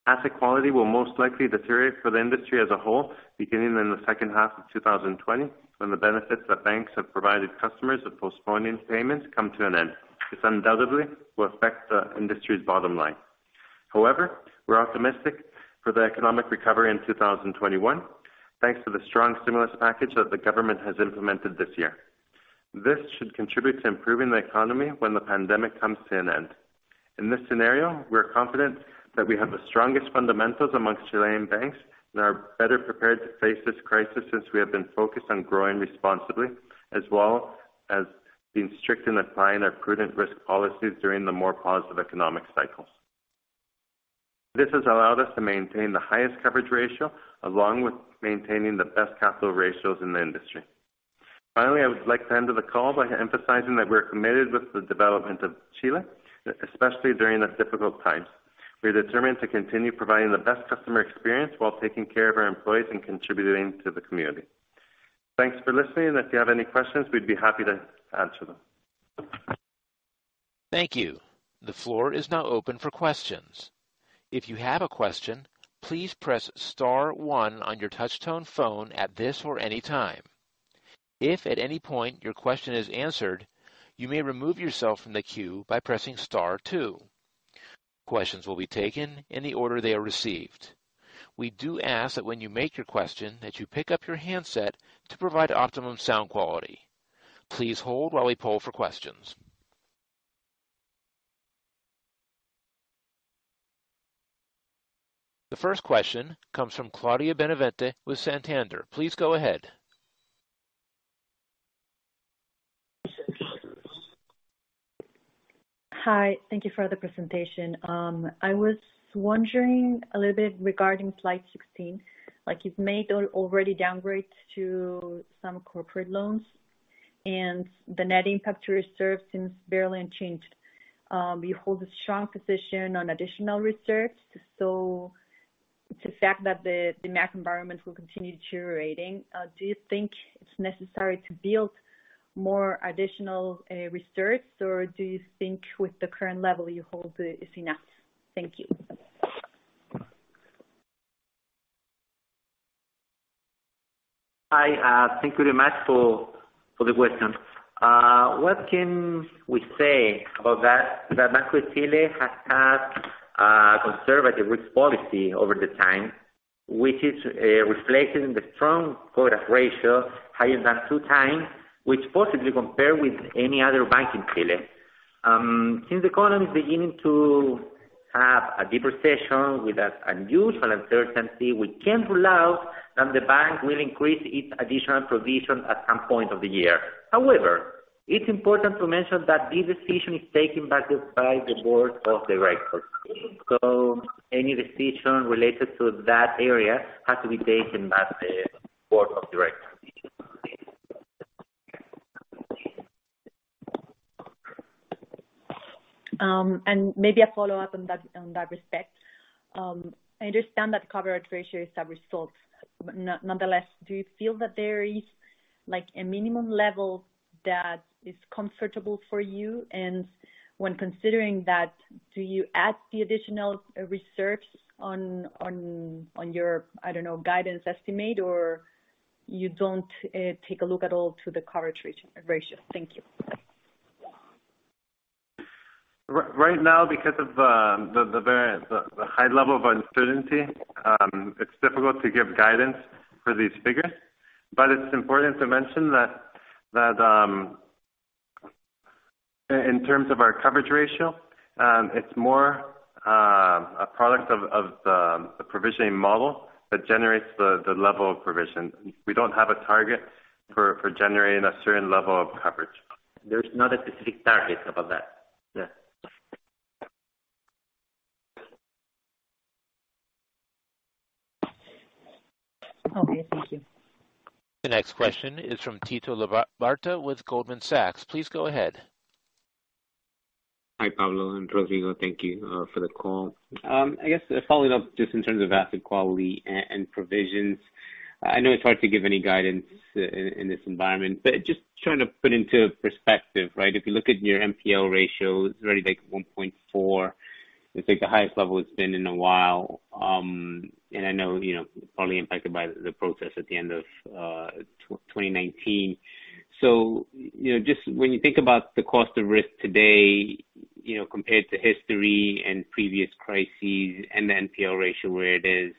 Asset quality will most likely deteriorate for the industry as a whole, beginning in the second half of 2020, when the benefits that banks have provided customers of postponing payments come to an end. This undoubtedly will affect the industry's bottom line. However, we're optimistic for the economic recovery in 2021, thanks to the strong stimulus package that the government has implemented this year. This should contribute to improving the economy when the pandemic comes to an end. In this scenario, we are confident that we have the strongest fundamentals amongst Chilean banks and are better prepared to face this crisis since we have been focused on growing responsibly, as well as being strict in applying our prudent risk policies during the more positive economic cycles. This has allowed us to maintain the highest coverage ratio, along with maintaining the best capital ratios in the industry. Finally, I would like to end the call by emphasizing that we are committed with the development of Chile, especially during these difficult times. We are determined to continue providing the best customer experience while taking care of our employees and contributing to the community. Thanks for listening, and if you have any questions, we'd be happy to answer them. Thank you. The floor is now open for questions. If you have a question, please press star one on your touch-tone phone at this or any time. If at any point your question is answered, you may remove yourself from the queue by pressing star two. Questions will be taken in the order they are received. We do ask that when you make your question, that you pick up your handset to provide optimum sound quality. Please hold while we poll for questions. The first question comes from Claudia Benavente with Santander. Please go ahead. Hi. Thank you for the presentation. I was wondering a little bit regarding slide 16, you've made already downgrades to some corporate loans, and the net impact to reserves seems barely unchanged. You hold a strong position on additional reserves, so the fact that the macro environment will continue deteriorating, do you think it's necessary to build more additional reserves, or do you think with the current level you hold is enough? Thank you. Hi. Thank you very much for the question. What can we say about that? Banco de Chile has had a conservative risk policy over the time, which is reflected in the strong coverage ratio, higher than two times, which positively compare with any other bank in Chile. Since the economy is beginning to have a deeper recession with unusual uncertainty, we can't rule out that the bank will increase its additional provision at some point of the year. It's important to mention that this decision is taken by the board of directors. Any decision related to that area has to be taken by the board of directors. Maybe a follow-up on that respect. I understand that coverage ratio is a result. Nonetheless, do you feel that there is a minimum level that is comfortable for you? When considering that, do you add the additional reserves on your, I don't know, guidance estimate, or you don't take a look at all to the coverage ratio? Thank you. Right now, because of the high level of uncertainty, it's difficult to give guidance for these figures. It's important to mention that in terms of our coverage ratio, it's more a product of the provisioning model that generates the level of provision. We don't have a target for generating a certain level of coverage. There's not a specific target about that. Okay, thank you. The next question is from Tito Labarta with Goldman Sachs. Please go ahead. Hi, Pablo and Rodrigo, thank you for the call. I guess following up just in terms of asset quality and provisions, I know it's hard to give any guidance in this environment, but just trying to put into perspective, right? If you look at your NPL ratio, it's already like 1.4, it's like the highest level it's been in a while. I know, probably impacted by the process at the end of 2019. Just when you think about the cost of risk today, compared to history and previous crises and the NPL ratio where it is.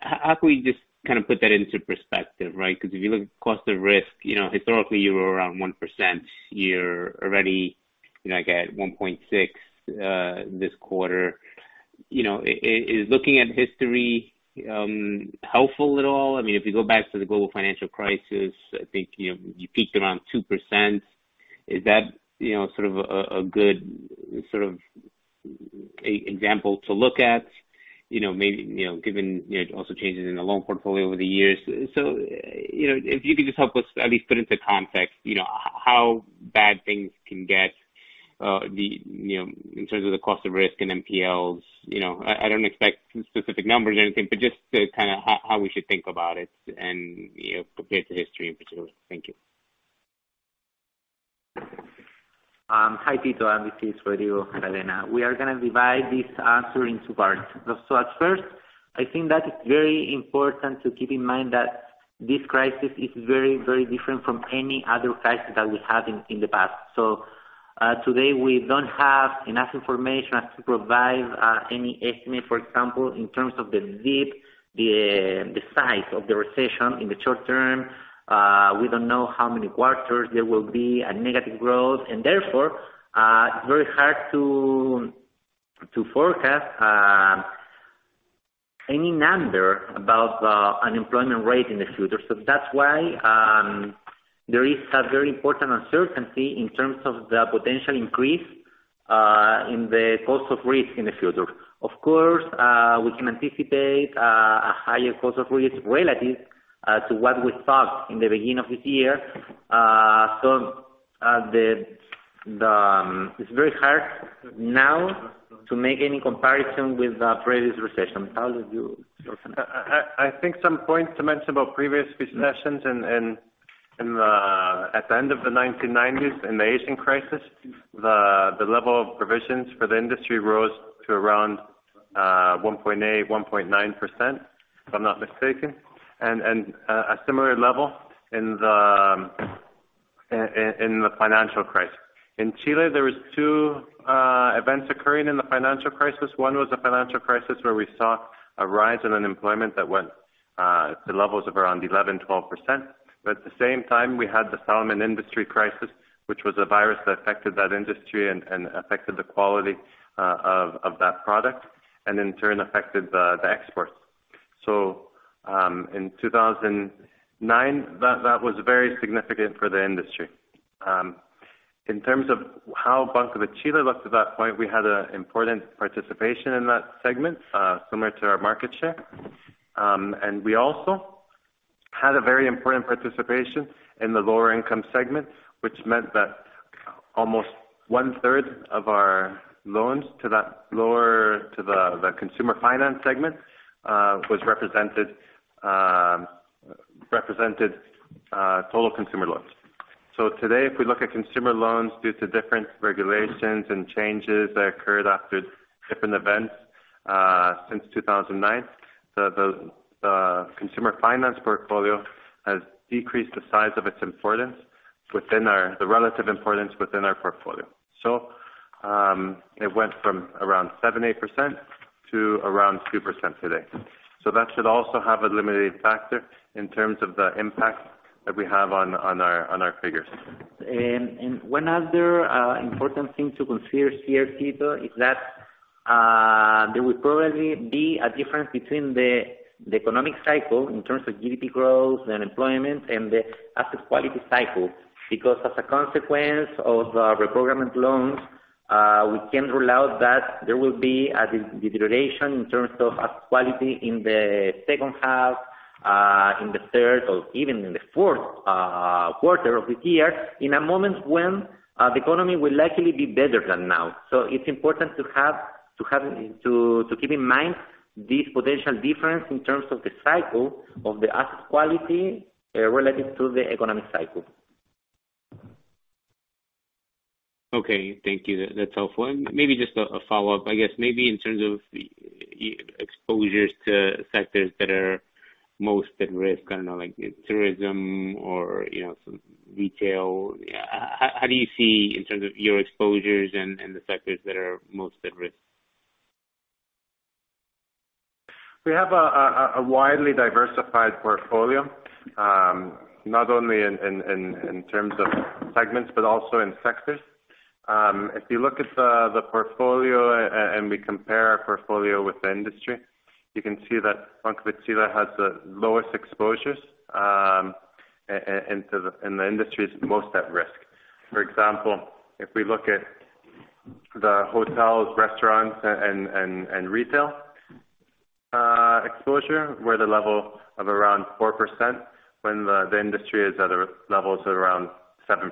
How can we just put that into perspective, right? Because if you look at cost of risk, historically you were around 1%, you're already at 1.6% this quarter. Is looking at history helpful at all? If we go back to the global financial crisis, I think you peaked around 2%. Is that a good example to look at? Maybe given also changes in the loan portfolio over the years. If you could just help us at least put into context how bad things can get in terms of the cost of risk and NPLs. I don't expect specific numbers or anything, but just how we should think about it and compare it to history in particular. Thank you. Hi, Tito, this is Rodrigo Aravena. We are going to divide this answer into parts. At first, I think that it's very important to keep in mind that this crisis is very different from any other crisis that we had in the past. Today we don't have enough information as to provide any estimate, for example, in terms of the depth, the size of the recession in the short term. We don't know how many quarters there will be a negative growth, therefore, it's very hard to forecast any number about the unemployment rate in the future. That's why there is a very important uncertainty in terms of the potential increase in the cost of risk in the future. Of course, we can anticipate a higher cost of risk relative to what we thought in the beginning of this year. It's very hard now to make any comparison with the previous recession. Pablo, you? I think some points to mention about previous recessions and at the end of the 1990s in the Asian crisis, the level of provisions for the industry rose to around 1.8%, 1.9%, if I'm not mistaken, and a similar level in the financial crisis. In Chile, there was two events occurring in the financial crisis. One was the financial crisis where we saw a rise in unemployment that went to levels of around 11%, 12%. At the same time, we had the salmon industry crisis, which was a virus that affected that industry and affected the quality of that product, and in turn affected the exports. In 2009, that was very significant for the industry. In terms of how Banco de Chile looked at that point, we had an important participation in that segment, similar to our market share. We also had a very important participation in the lower income segment, which meant that almost one-third of our loans to the consumer finance segment represented total consumer loans. Today, if we look at consumer loans due to different regulations and changes that occurred after different events since 2009, the consumer finance portfolio has decreased the size of its importance within the relative importance within our portfolio. It went from around 7%, 8% to around 2% today. That should also have a limiting factor in terms of the impact that we have on our figures. One other important thing to consider here, Tito, is that there will probably be a difference between the economic cycle in terms of GDP growth and employment and the asset quality cycle. As a consequence of the reprogrammed loans, we can rule out that there will be a deterioration in terms of asset quality in the second half, in the third, or even in the fourth quarter of the year, in a moment when the economy will likely be better than now. It's important to keep in mind this potential difference in terms of the cycle of the asset quality relative to the economic cycle. Okay, thank you that's helpful. Maybe just a follow-up, I guess maybe in terms of exposures to sectors that are most at risk, I don't know, like tourism or retail. How do you see in terms of your exposures and the sectors that are most at risk? We have a widely diversified portfolio, not only in terms of segments, but also in sectors. If you look at the portfolio and we compare our portfolio with the industry, you can see that Banco de Chile has the lowest exposures in the industries most at risk. For example, if we look at the hotels, restaurants, and retail exposure, we're at a level of around 4% when the industry is at levels at around 7%.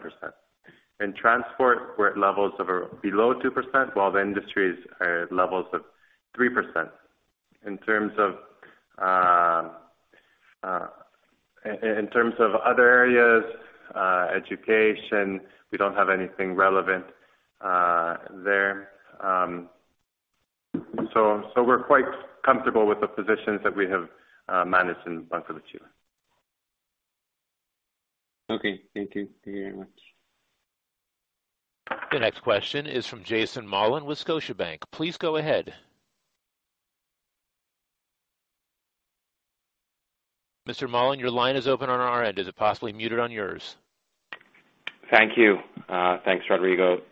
In transport, we're at levels of below 2%, while the industry is at levels of 3%. In terms of other areas, education, we don't have anything relevant there. We're quite comfortable with the positions that we have managed in Banco de Chile. Okay, thank you. Thank you very much. The next question is from Jason Mollin with Scotiabank. Please go ahead. Mr. Mollin, your line is open on our end. Is it possibly muted on yours? Thank you. Thanks, Rodrigo.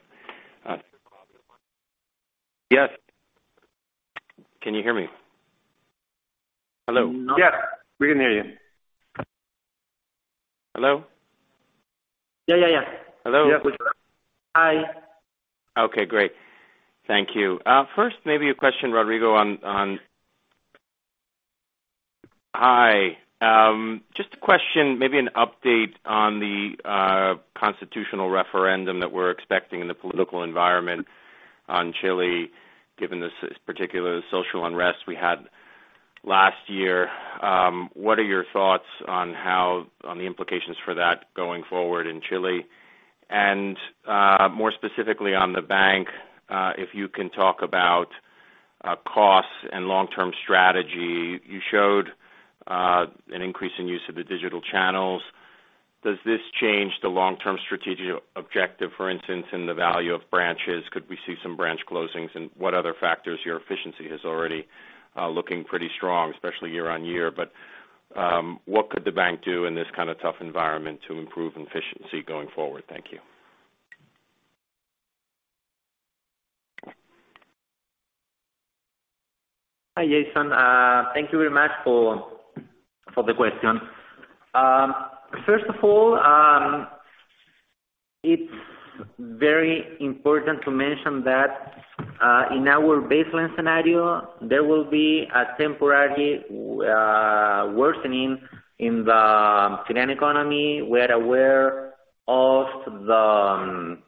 Yes. Can you hear me? Hello? Yes. We can hear you. Hello? Yeah. Hello? Yeah, we can. Hi. Okay, great thank you. First, maybe a question, Rodrigo. Just a question, maybe an update on the constitutional referendum that we're expecting in the political environment on Chile, given this particular social unrest we had last year. What are your thoughts on the implications for that going forward in Chile? More specifically on the bank, if you can talk about costs and long-term strategy. You showed an increase in use of the digital channels. Does this change the long-term strategic objective, for instance, in the value of branches? Could we see some branch closings? What other factors? Your efficiency is already looking pretty strong, especially year-on-year. What could the bank do in this kind of tough environment to improve efficiency going forward? Thank you. Hi, Jason. Thank you very much for the question. First of all, it's very important to mention that in our baseline scenario, there will be a temporary worsening in the Chilean economy. We are aware of the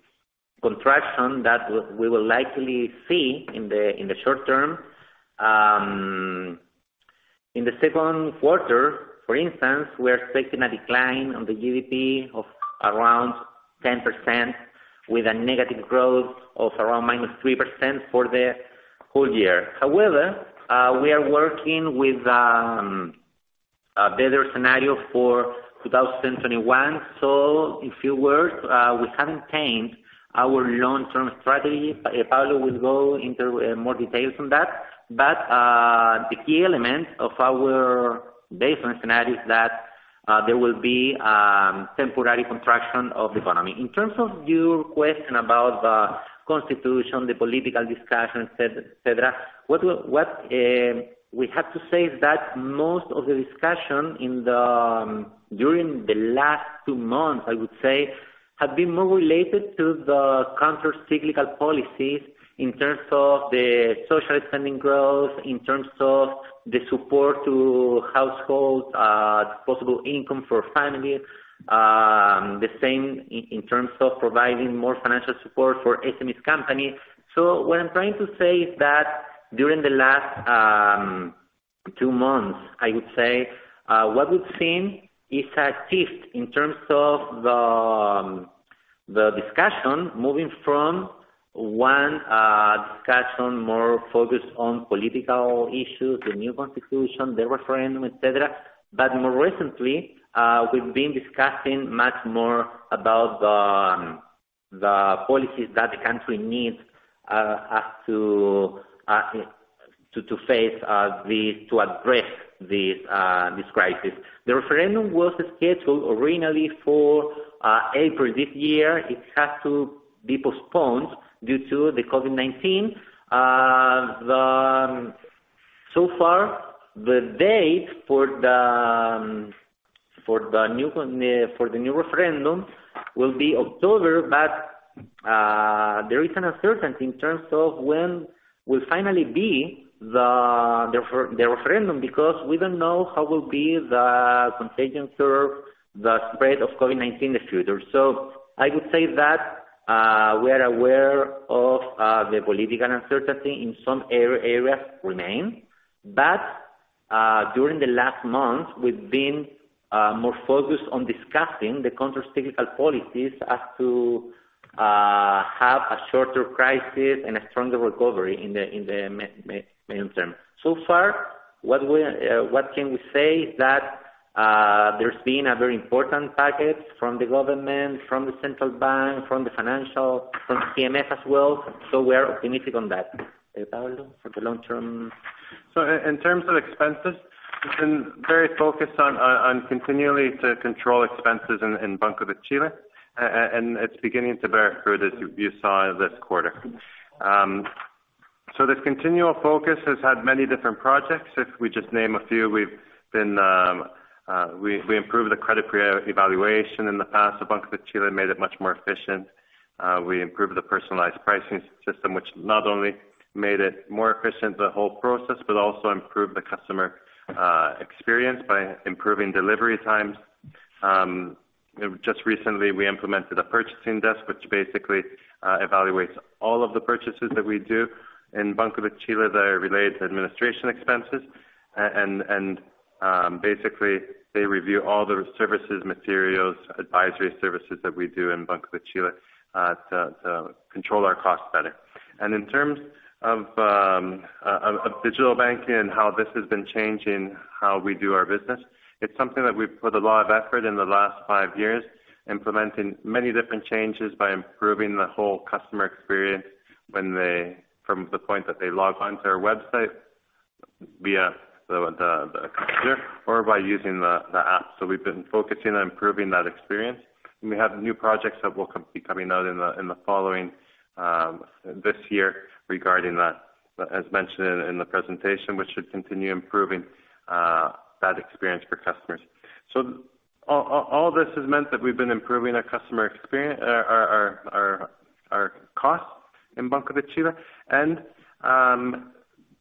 contraction that we will likely see in the short term. In the second quarter, for instance, we are expecting a decline on the GDP of around 10%, with a negative growth of around -3% for the whole year. However, we are working with a better scenario for 2021. In few words, we haven't changed our long-term strategy. Pablo will go into more details on that. The key element of our baseline scenario is that there will be temporary contraction of the economy. In terms of your question about the constitution, the political discussion, et cetera, what we have to say is that most of the discussion during the last two months, I would say, have been more related to the countercyclical policies in terms of the social spending growth, in terms of the support to households, possible income for families, the same in terms of providing more financial support for SMEs company. What I'm trying to say is that during the last two months, I would say, what we've seen is a shift in terms of the discussion moving from one discussion more focused on political issues, the new constitution, the referendum, et cetera. More recently, we've been discussing much more about the policies that the country needs as to face, to address this crisis. The referendum was scheduled originally for April this year. It had to be postponed due to the COVID-19. So far, the date for the new referendum will be October, but there is an uncertainty in terms of when will finally be the referendum, because we don't know how will be the contagion or the spread of COVID-19 in the future. I would say that, we are aware of the political uncertainty in some areas remain. During the last month, we've been more focused on discussing the counter-cyclical policies as to have a shorter crisis and a stronger recovery in the medium term. So far, what can we say is that, there's been a very important package from the government, from the central bank, from the financial, from CMF as well. We are optimistic on that. Pablo, for the long term. In terms of expenses, we've been very focused on continually to control expenses in Banco de Chile, and it's beginning to bear fruit, as you saw this quarter. This continual focus has had many different projects. If we just name a few, we improved the credit evaluation in the past of Banco de Chile, made it much more efficient. We improved the personalized pricing system, which not only made it more efficient, the whole process, but also improved the customer experience by improving delivery times. Just recently, we implemented a purchasing desk, which basically evaluates all of the purchases that we do in Banco de Chile that are related to administration expenses. Basically, they review all the services, materials, advisory services that we do in Banco de Chile, to control our costs better. In terms of digital banking and how this has been changing how we do our business, it's something that we've put a lot of effort in the last five years, implementing many different changes by improving the whole customer experience. From the point that they log onto our website via the computer or by using the app. We've been focusing on improving that experience, and we have new projects that will be coming out this year regarding that, as mentioned in the presentation, which should continue improving that experience for customers. All this has meant that we've been improving our costs in Banco de Chile, and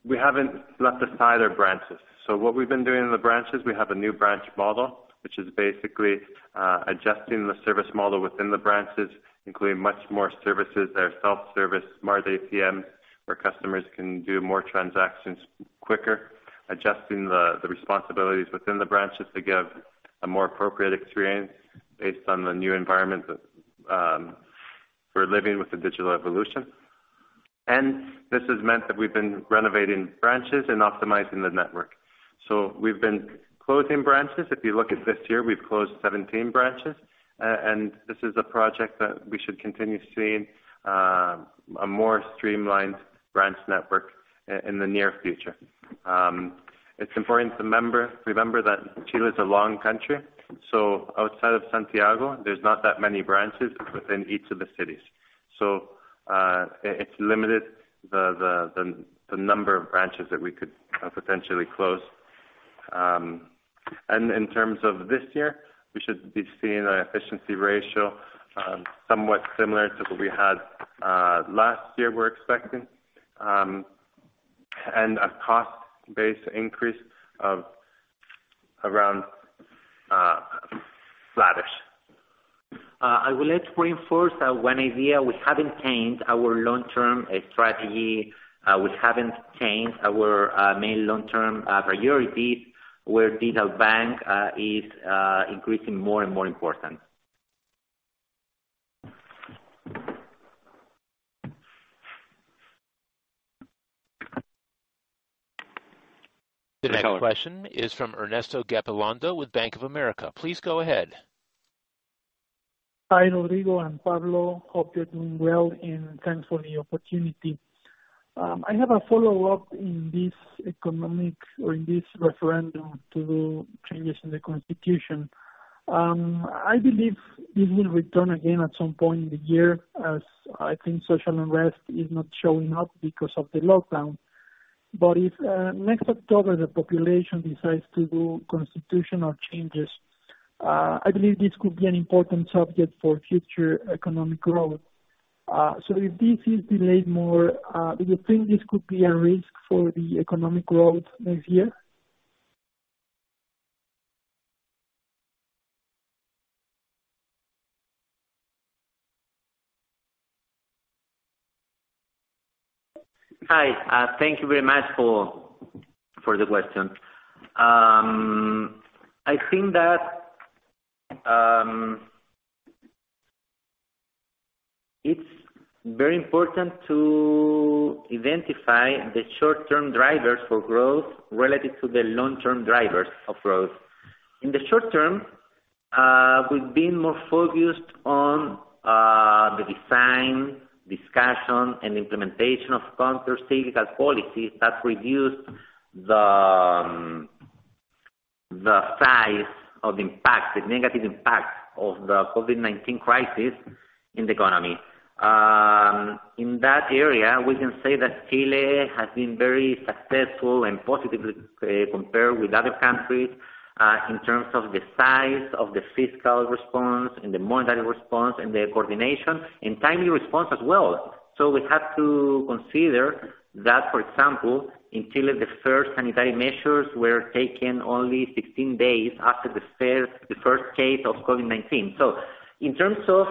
we haven't left aside our branches. What we've been doing in the branches, we have a new branch model, which is basically adjusting the service model within the branches, including much more services. There are self-service smart ATMs where customers can do more transactions quicker, adjusting the responsibilities within the branches to give a more appropriate experience based on the new environment that we're living with the digital evolution. This has meant that we've been renovating branches and optimizing the network. We've been closing branches. If you look at this year, we've closed 17 branches. This is a project that we should continue seeing a more streamlined branch network in the near future. It's important to remember that Chile is a long country, so outside of Santiago, there's not that many branches within each of the cities. It's limited the number of branches that we could potentially close. In terms of this year, we should be seeing an efficiency ratio, somewhat similar to what we had last year, we're expecting, and a cost-based increase of around flattish. I would like to reinforce that one idea, we haven't changed our long-term strategy, we haven't changed our main long-term priorities, where digital bank is increasing more and more important. The next question is from Ernesto Gabilondo with Bank of America. Please go ahead. Hi, Rodrigo and Pablo. Hope you're doing well, and thanks for the opportunity. I have a follow-up in this economic, or in this referendum to changes in the Constitution. I believe this will return again at some point in the year, as I think social unrest is not showing up because of the lockdown. If, next October, the population decides to do constitutional changes, I believe this could be an important subject for future economic growth. If this is delayed more, do you think this could be a risk for the economic growth next year? Hi, thank you very much for the question. I think that it's very important to identify the short-term drivers for growth relative to the long-term drivers of growth. In the short term, we've been more focused on the design, discussion, and implementation of counter-cyclical policies that reduce the size of the negative impact of the COVID-19 crisis in the economy. In that area, we can say that Chile has been very successful and positively compared with other countries, in terms of the size of the fiscal response and the monetary response and the coordination and timely response as well. We have to consider that, for example, in Chile, the first sanitary measures were taken only 16 days after the first case of COVID-19. In terms of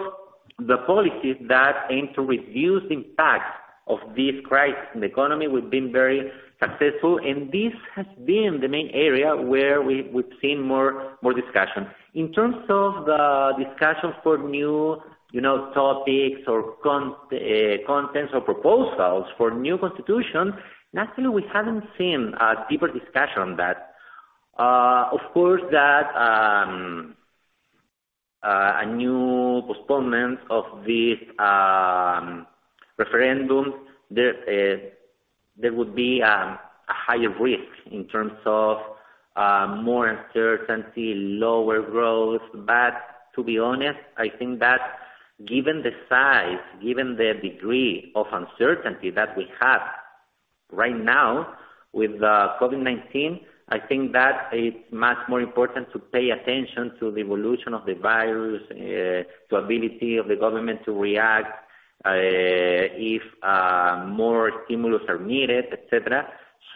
the policies that aim to reduce impact of this crisis in the economy, we've been very successful, and this has been the main area where we've seen more discussion. In terms of the discussions for new topics or contents or proposals for new constitution, naturally, we haven't seen a deeper discussion on that. Of course, that a new postponement of this referendum, there would be a higher risk in terms of more uncertainty, lower growth. To be honest, I think that given the size, given the degree of uncertainty that we have right now with COVID-19, I think that it's much more important to pay attention to the evolution of the virus, to ability of the government to react, if more stimulus are needed, et cetera.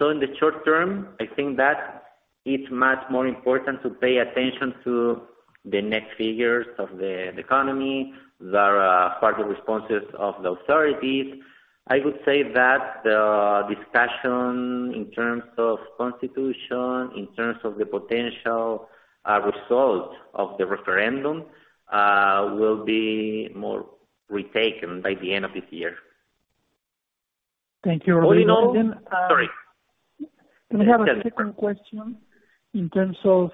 In the short term, I think that it's much more important to pay attention to the next figures of the economy that are part of responses of the authorities. I would say that the discussion in terms of constitution, in terms of the potential result of the referendum, will be more retaken by the end of this year. Thank you, Rodrigo. Sorry I have a second question in terms of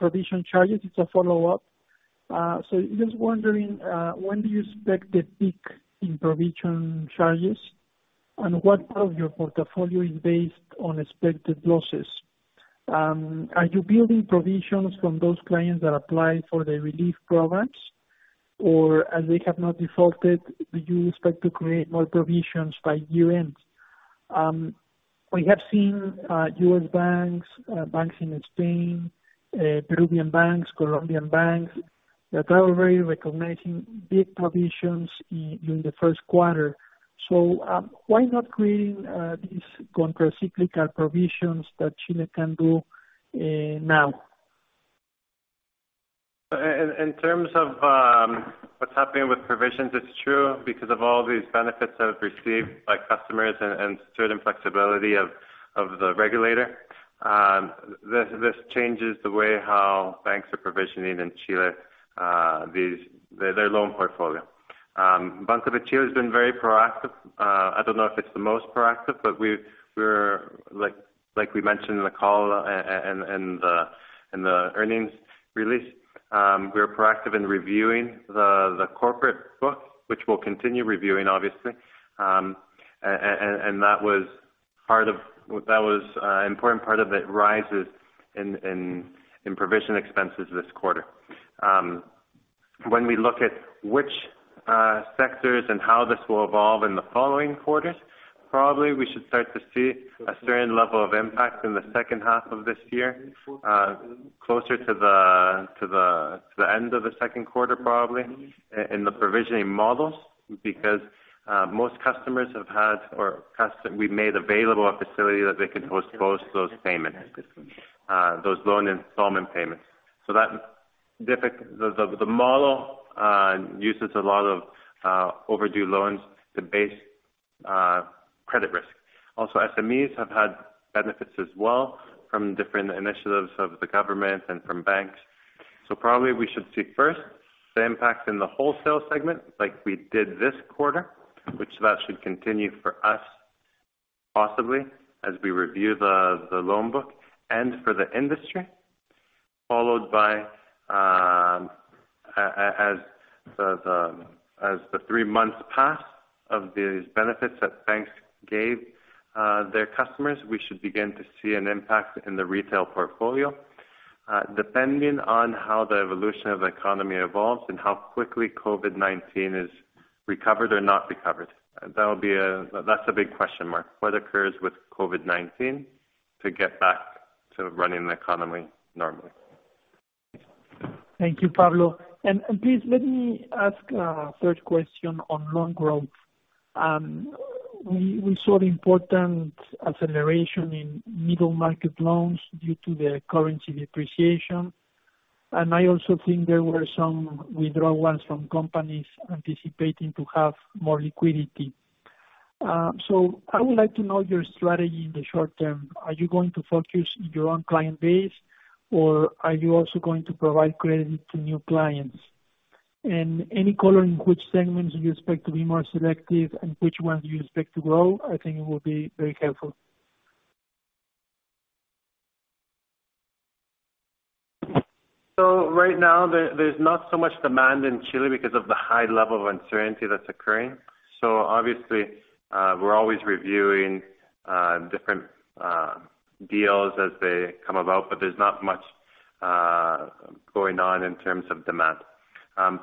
provision charges. It's a follow-up. Just wondering, when do you expect a peak in provision charges? What part of your portfolio is based on expected losses? Are you building provisions from those clients that apply for the relief programs? As they have not defaulted, do you expect to create more provisions by year end? We have seen U.S. banks, banks in Spain, Peruvian banks, Colombian banks, that are already recognizing big provisions in the first quarter. Why not create these countercyclical provisions that Chile can do now? In terms of what's happening with provisions, it's true because of all these benefits that was received by customers and certain flexibility of the regulator. This changes the way how banks are provisioning in Chile their loan portfolio. Banco de Chile has been very proactive, I don't know if it's the most proactive, but like we mentioned in the call and the earnings release, we are proactive in reviewing the corporate book, which we'll continue reviewing, obviously. That was an important part of its rise in provision expenses this quarter. When we look at which sectors and how this will evolve in the following quarters, probably we should start to see a certain level of impact in the second half of this year, closer to the end of the second quarter, probably, in the provisioning models, because most customers we've made available a facility that they can postpone those payments, those loan installment payments. The model uses a lot of overdue loans to base credit risk. Also, SMEs have had benefits as well from different initiatives of the government and from banks. Probably we should see first the impact in the wholesale segment like we did this quarter, which that should continue for us possibly as we review the loan book and for the industry. As the three months pass of these benefits that banks gave their customers, we should begin to see an impact in the retail portfolio, depending on how the evolution of the economy evolves and how quickly COVID-19 is recovered or not recovered. That's a big question mark. What occurs with COVID-19 to get back to running the economy normally. Thank you, Pablo. Please let me ask a third question on loan growth. We saw the important acceleration in middle market loans due to the currency depreciation, and I also think there were some withdrawals from companies anticipating to have more liquidity. So I would like to know your strategy in the short term. Are you going to focus on your own client base, or are you also going to provide credit to new clients? Any color in which segments you expect to be more selective and which ones you expect to grow, I think it will be very helpful. Right now, there's not so much demand in Chile because of the high level of uncertainty that's occurring. Obviously, we're always reviewing different deals as they come about, but there's not much going on in terms of demand.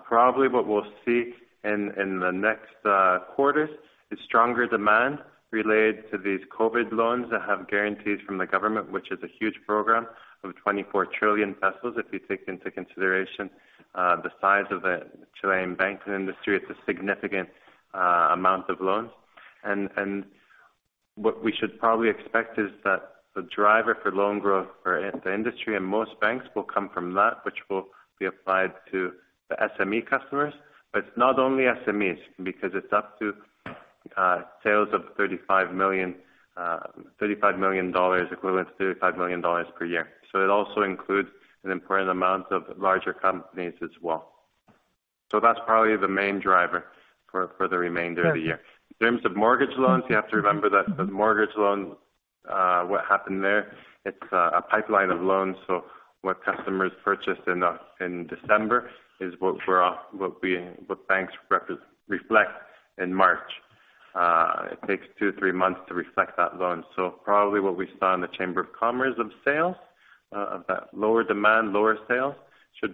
Probably what we'll see in the next quarters is stronger demand related to these COVID loans that have guarantees from the government, which is a huge program of 24 trillion pesos. If you take into consideration the size of the Chilean banking industry, it's a significant amount of loans. What we should probably expect is that the driver for loan growth for the industry and most banks will come from that, which will be applied to the SME customers. It's not only SMEs, because it's up to sales of $35 million, equivalent to $35 million per year. It also includes an important amount of larger companies as well. That's probably the main driver for the remainder of the year. In terms of mortgage loans, you have to remember that the mortgage loans, what happened there, it's a pipeline of loans. What customers purchased in December is what banks reflect in March. It takes two to three months to reflect that loan. Probably what we saw in the Chilean Chamber of Construction of sales, of that lower demand, lower sales, should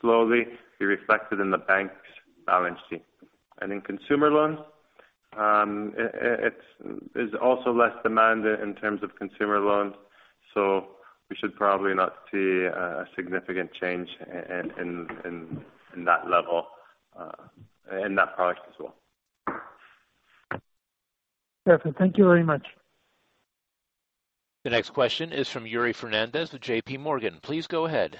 slowly be reflected in the bank's balance sheet. In consumer loans, there's also less demand in terms of consumer loans. We should probably not see a significant change in that level, in that product as well. Perfect. Thank you very much. The next question is from Yuri Fernandes with JPMorgan. Please go ahead.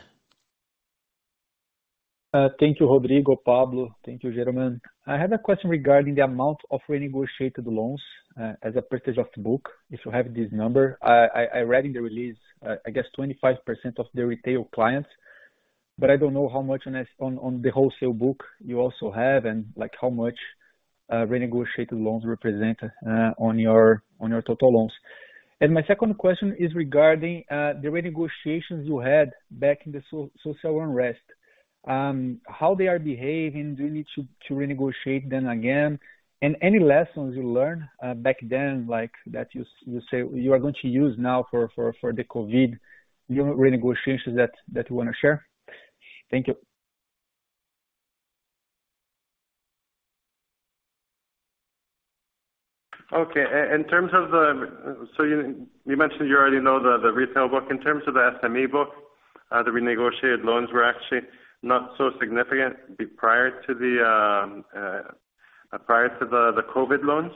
Thank you, Rodrigo, Pablo. Thank you, gentlemen. I had a question regarding the amount of renegotiated loans as a percentage of the book, if you have this number. I read in the release, I guess 25% of the retail clients. I don't know how much on the wholesale book you also have, and how much renegotiated loans represent on your total loans. My second question is regarding the renegotiations you had back in the social unrest. How they are behaving, do you need to renegotiate them again? Any lessons you learned back then, like that you say you are going to use now for the COVID renegotiations that you want to share? Thank you. Okay. You mentioned you already know the retail book. In terms of the SME book, the renegotiated loans were actually not so significant prior to the COVID loans.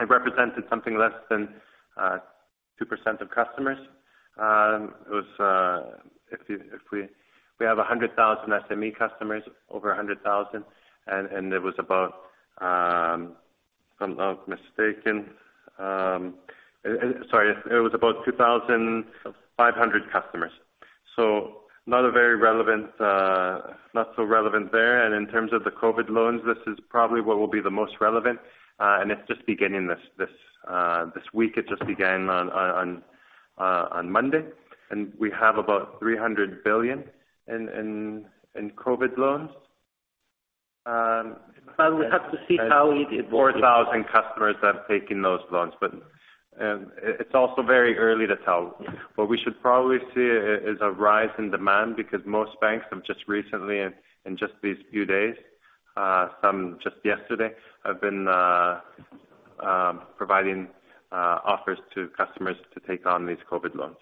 It represented something less than 2% of customers. We have 100,000 SME customers, over 100,000, and it was about If I'm not mistaken. Sorry, it was about 2,500 customers, so not so relevant there. In terms of the COVID loans, this is probably what will be the most relevant. It's just beginning this week. It just began on Monday. We have about 300 billion in COVID loans. We have to see how it evolves. 4,000 customers have taken those loans. It's also very early to tell. What we should probably see is a rise in demand because most banks have just recently, in just these few days, some just yesterday, have been providing offers to customers to take on these COVID loans.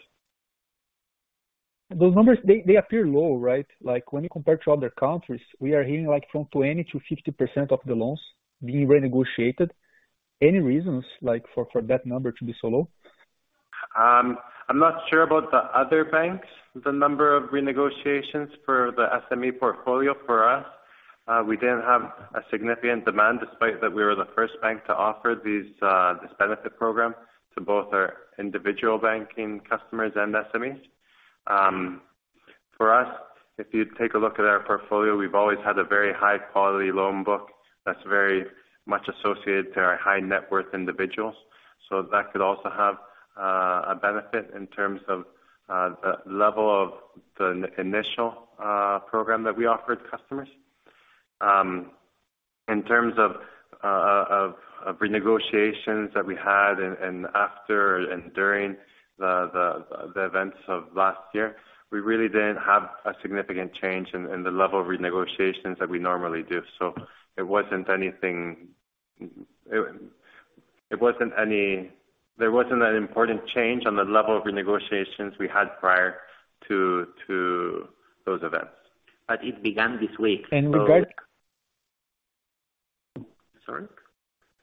Those numbers, they appear low, right? When you compare to other countries, we are hearing from 20%-50% of the loans being renegotiated. Any reasons for that number to be so low? I'm not sure about the other banks, the number of renegotiations for the SME portfolio. For us, we didn't have a significant demand, despite that we were the first bank to offer this benefit program to both our individual banking customers and SMEs. For us, if you take a look at our portfolio, we've always had a very high-quality loan book that's very much associated to our high-net-worth individuals. That could also have a benefit in terms of the level of the initial program that we offered customers. In terms of renegotiations that we had and after and during the events of last year, we really didn't have a significant change in the level of renegotiations that we normally do. There wasn't an important change on the level of renegotiations we had prior to those events. It began this week. And regard- Sorry?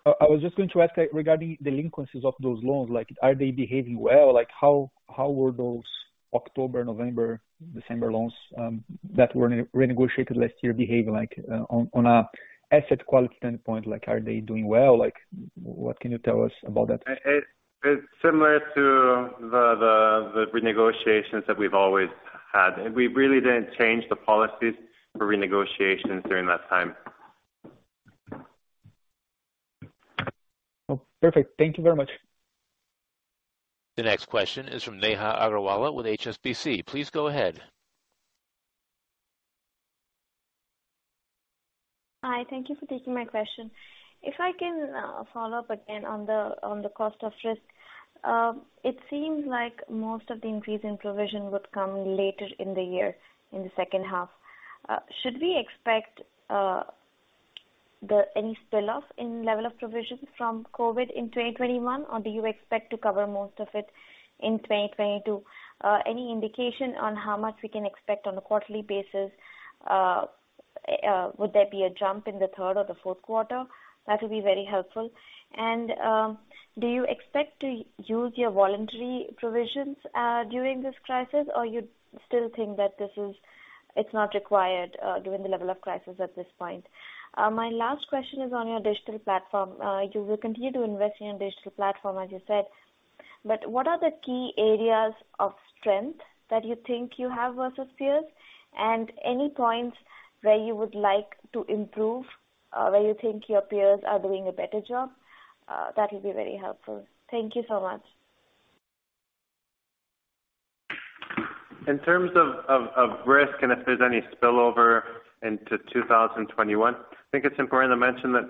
I was just going to ask regarding delinquencies of those loans, are they behaving well? How were those October, November, December loans that were renegotiated last year behaving on an asset quality standpoint? Are they doing well? What can you tell us about that? It's similar to the renegotiations that we've always had. We really didn't change the policies for renegotiations during that time. Oh, perfect. Thank you very much. The next question is from Neha Agarwala with HSBC. Please go ahead. Hi. Thank you for taking my question. If I can follow up again on the cost of risk. It seems like most of the increase in provision would come later in the year, in the second half. Should we expect any spill off in level of provisions from COVID in 2021, or do you expect to cover most of it in 2022? Any indication on how much we can expect on a quarterly basis? Would there be a jump in the third or the fourth quarter? That will be very helpful. Do you expect to use your voluntary provisions during this crisis, or you still think that it's not required during the level of crisis at this point? My last question is on your digital platform. You will continue to invest in your digital platform, as you said. What are the key areas of strength that you think you have versus peers? Any points where you would like to improve, where you think your peers are doing a better job? That will be very helpful. Thank you so much. In terms of risk and if there's any spillover into 2021, I think it's important to mention that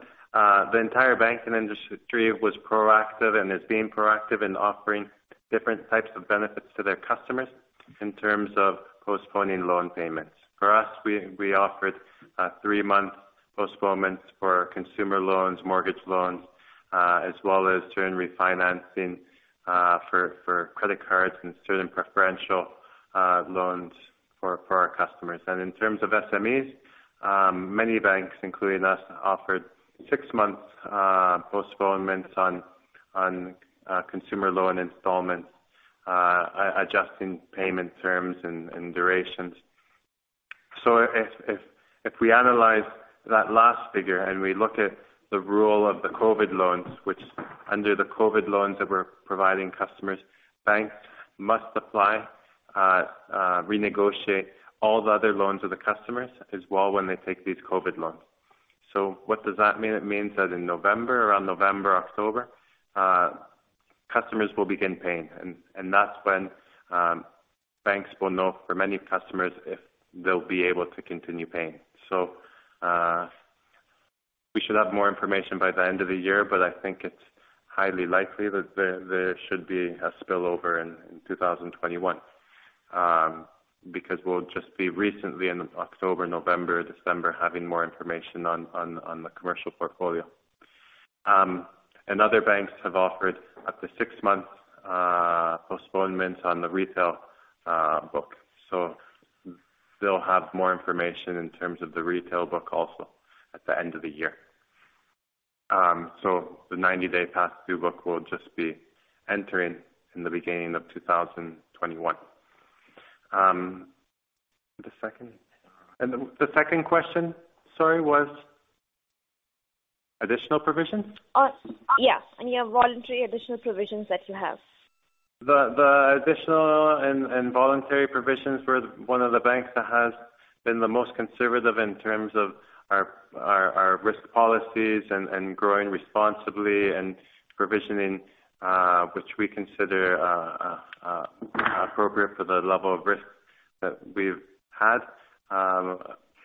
the entire banking industry was proactive and is being proactive in offering different types of benefits to their customers in terms of postponing loan payments. For us, we offered three-month postponements for consumer loans, mortgage loans, as well as certain refinancing for credit cards and certain preferential loans for our customers. In terms of SMEs, many banks, including us, offered six months postponements on consumer loan installments, adjusting payment terms and durations. If we analyze that last figure and we look at the role of the COVID loans, which under the COVID loans that we're providing customers, banks must apply, renegotiate all the other loans of the customers as well when they take these COVID loans. What does that mean? It means that in November, around November, October, customers will begin paying, and that's when banks will know for many customers if they'll be able to continue paying. We should have more information by the end of the year, but I think it's highly likely that there should be a spillover in 2021. We'll just be recently in October, November, December, having more information on the commercial portfolio. Other banks have offered up to six months postponement on the retail book, so they'll have more information in terms of the retail book also at the end of the year. The 90-day past due book will just be entering in the beginning of 2021. The second question, sorry, was additional provisions? Yes. Any voluntary additional provisions that you have. The additional and voluntary provisions for one of the banks that has been the most conservative in terms of our risk policies and growing responsibly and provisioning, which we consider appropriate for the level of risk that we've had.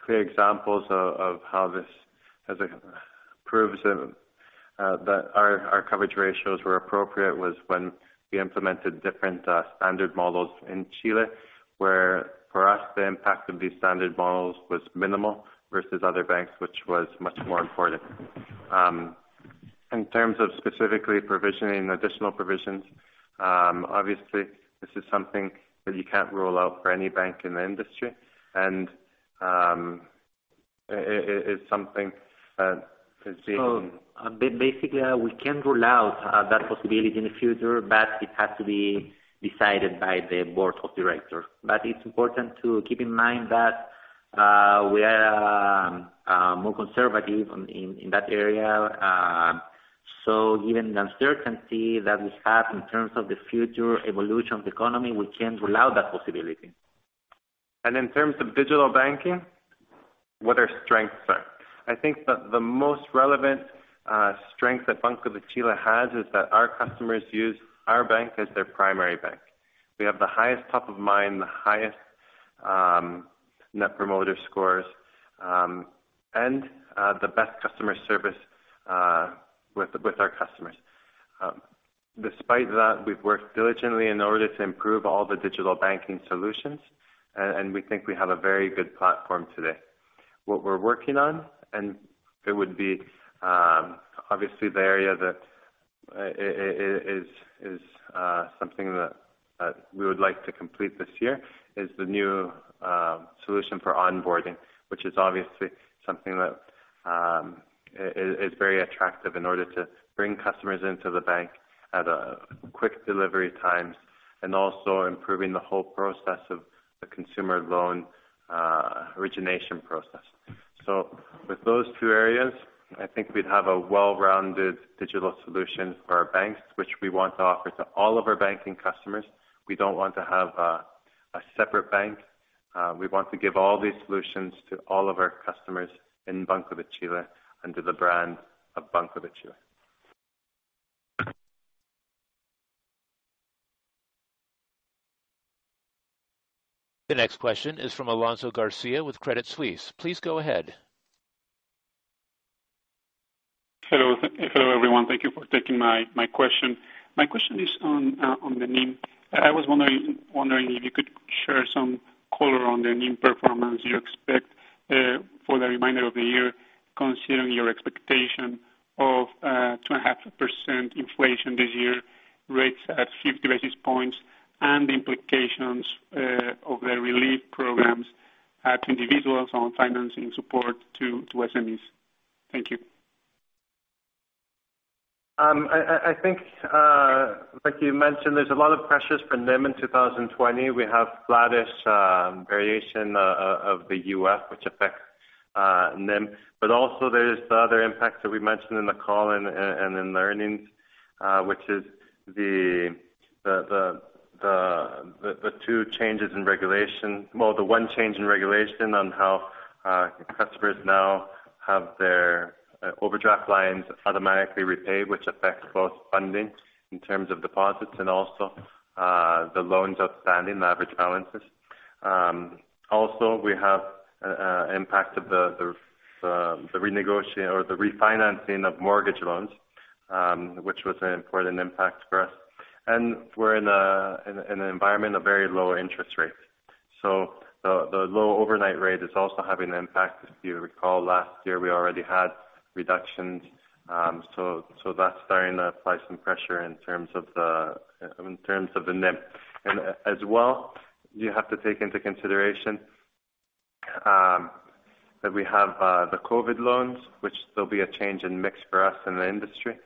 Clear examples of how this has proved that our coverage ratios were appropriate was when we implemented different standard models in Chile, where for us, the impact of these standard models was minimal versus other banks, which was much more important. In terms of specifically provisioning additional provisions, obviously this is something that you can't rule out for any bank in the industry and it's something that can be- Basically, we can't rule out that possibility in the future, but it has to be decided by the board of directors. It's important to keep in mind that we are more conservative in that area. Given the uncertainty that we have in terms of the future evolution of the economy, we can't rule out that possibility. In terms of digital banking, what our strengths are. I think that the most relevant strength that Banco de Chile has is that our customers use our bank as their primary bank. We have the highest top of mind, the highest net promoter scores, and the best customer service with our customers. Despite that, we've worked diligently in order to improve all the digital banking solutions, and we think we have a very good platform today. What we're working on, and it would be obviously the area that is something that we would like to complete this year is the new solution for onboarding which is obviously something that is very attractive in order to bring customers into the bank at a quick delivery times, and also improving the whole process of the consumer loan origination process. With those two areas, I think we'd have a well-rounded digital solution for our banks, which we want to offer to all of our banking customers. We don't want to have a separate bank. We want to give all these solutions to all of our customers in Banco de Chile under the brand of Banco de Chile. The next question is from Alonso Garcia with Credit Suisse. Please go ahead. Hello, everyone. Thank you for taking my question. My question is on the NIM. I was wondering if you could share some color on the NIM performance you expect for the remainder of the year, considering your expectation of 2.5% inflation this year, rates at 50 basis points, and the implications of the relief programs to individuals on financing support to SMEs. Thank you. I think, like you mentioned, there's a lot of pressures for NIM in 2020. We have flattish variation of the UF, which affects NIM. Also there is the other impact that we mentioned in the call and in the earnings, which is the two changes in regulation. Well, the one change in regulation on how customers now have their overdraft lines automatically repaid, which affects both funding in terms of deposits and also the loans outstanding, the average balances. Also, we have impact of the refinancing of mortgage loans, which was an important impact for us. We're in an environment of very low interest rates. The low overnight rate is also having an impact. If you recall, last year we already had reductions. That's starting to apply some pressure in terms of the NIM. As well, you have to take into consideration that we have the COVID loans, which there'll be a change in mix for us in the industry.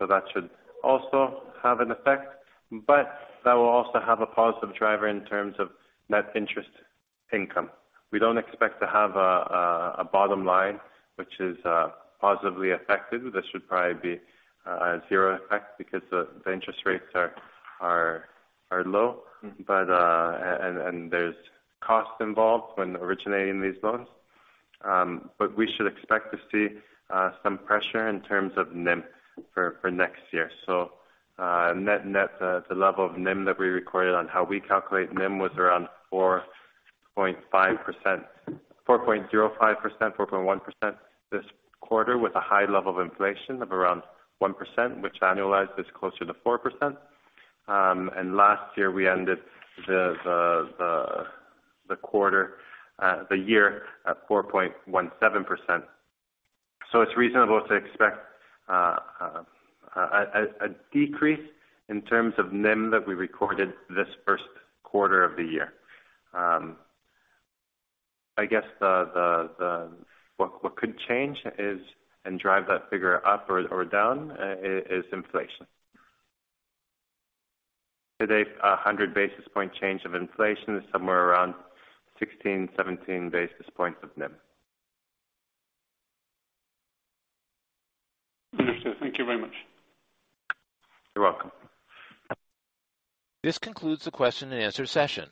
That should also have an effect, but that will also have a positive driver in terms of net interest income. We don't expect to have a bottom line which is positively affected. This should probably be a zero effect because the interest rates are low. There's cost involved when originating these loans. We should expect to see some pressure in terms of NIM for next year. Net, the level of NIM that we recorded on how we calculate NIM was around 4.05%, 4.1% this quarter with a high level of inflation of around 1%, which annualized is closer to 4%. Last year we ended the year at 4.17%. It's reasonable to expect a decrease in terms of NIM that we recorded this first quarter of the year. I guess what could change and drive that figure up or down, is inflation. Today, 100 basis point change of inflation is somewhere around 16, 17 basis points of NIM. Understood. Thank you very much. You're welcome. This concludes the question and answer session.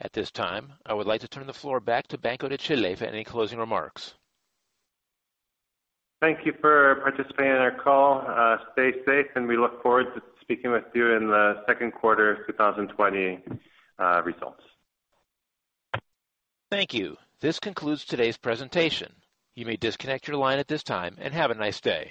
At this time, I would like to turn the floor back to Banco de Chile for any closing remarks. Thank you for participating in our call. Stay safe, and we look forward to speaking with you in the second quarter of 2020 results. Thank you. This concludes today's presentation. You may disconnect your line at this time, and have a nice day.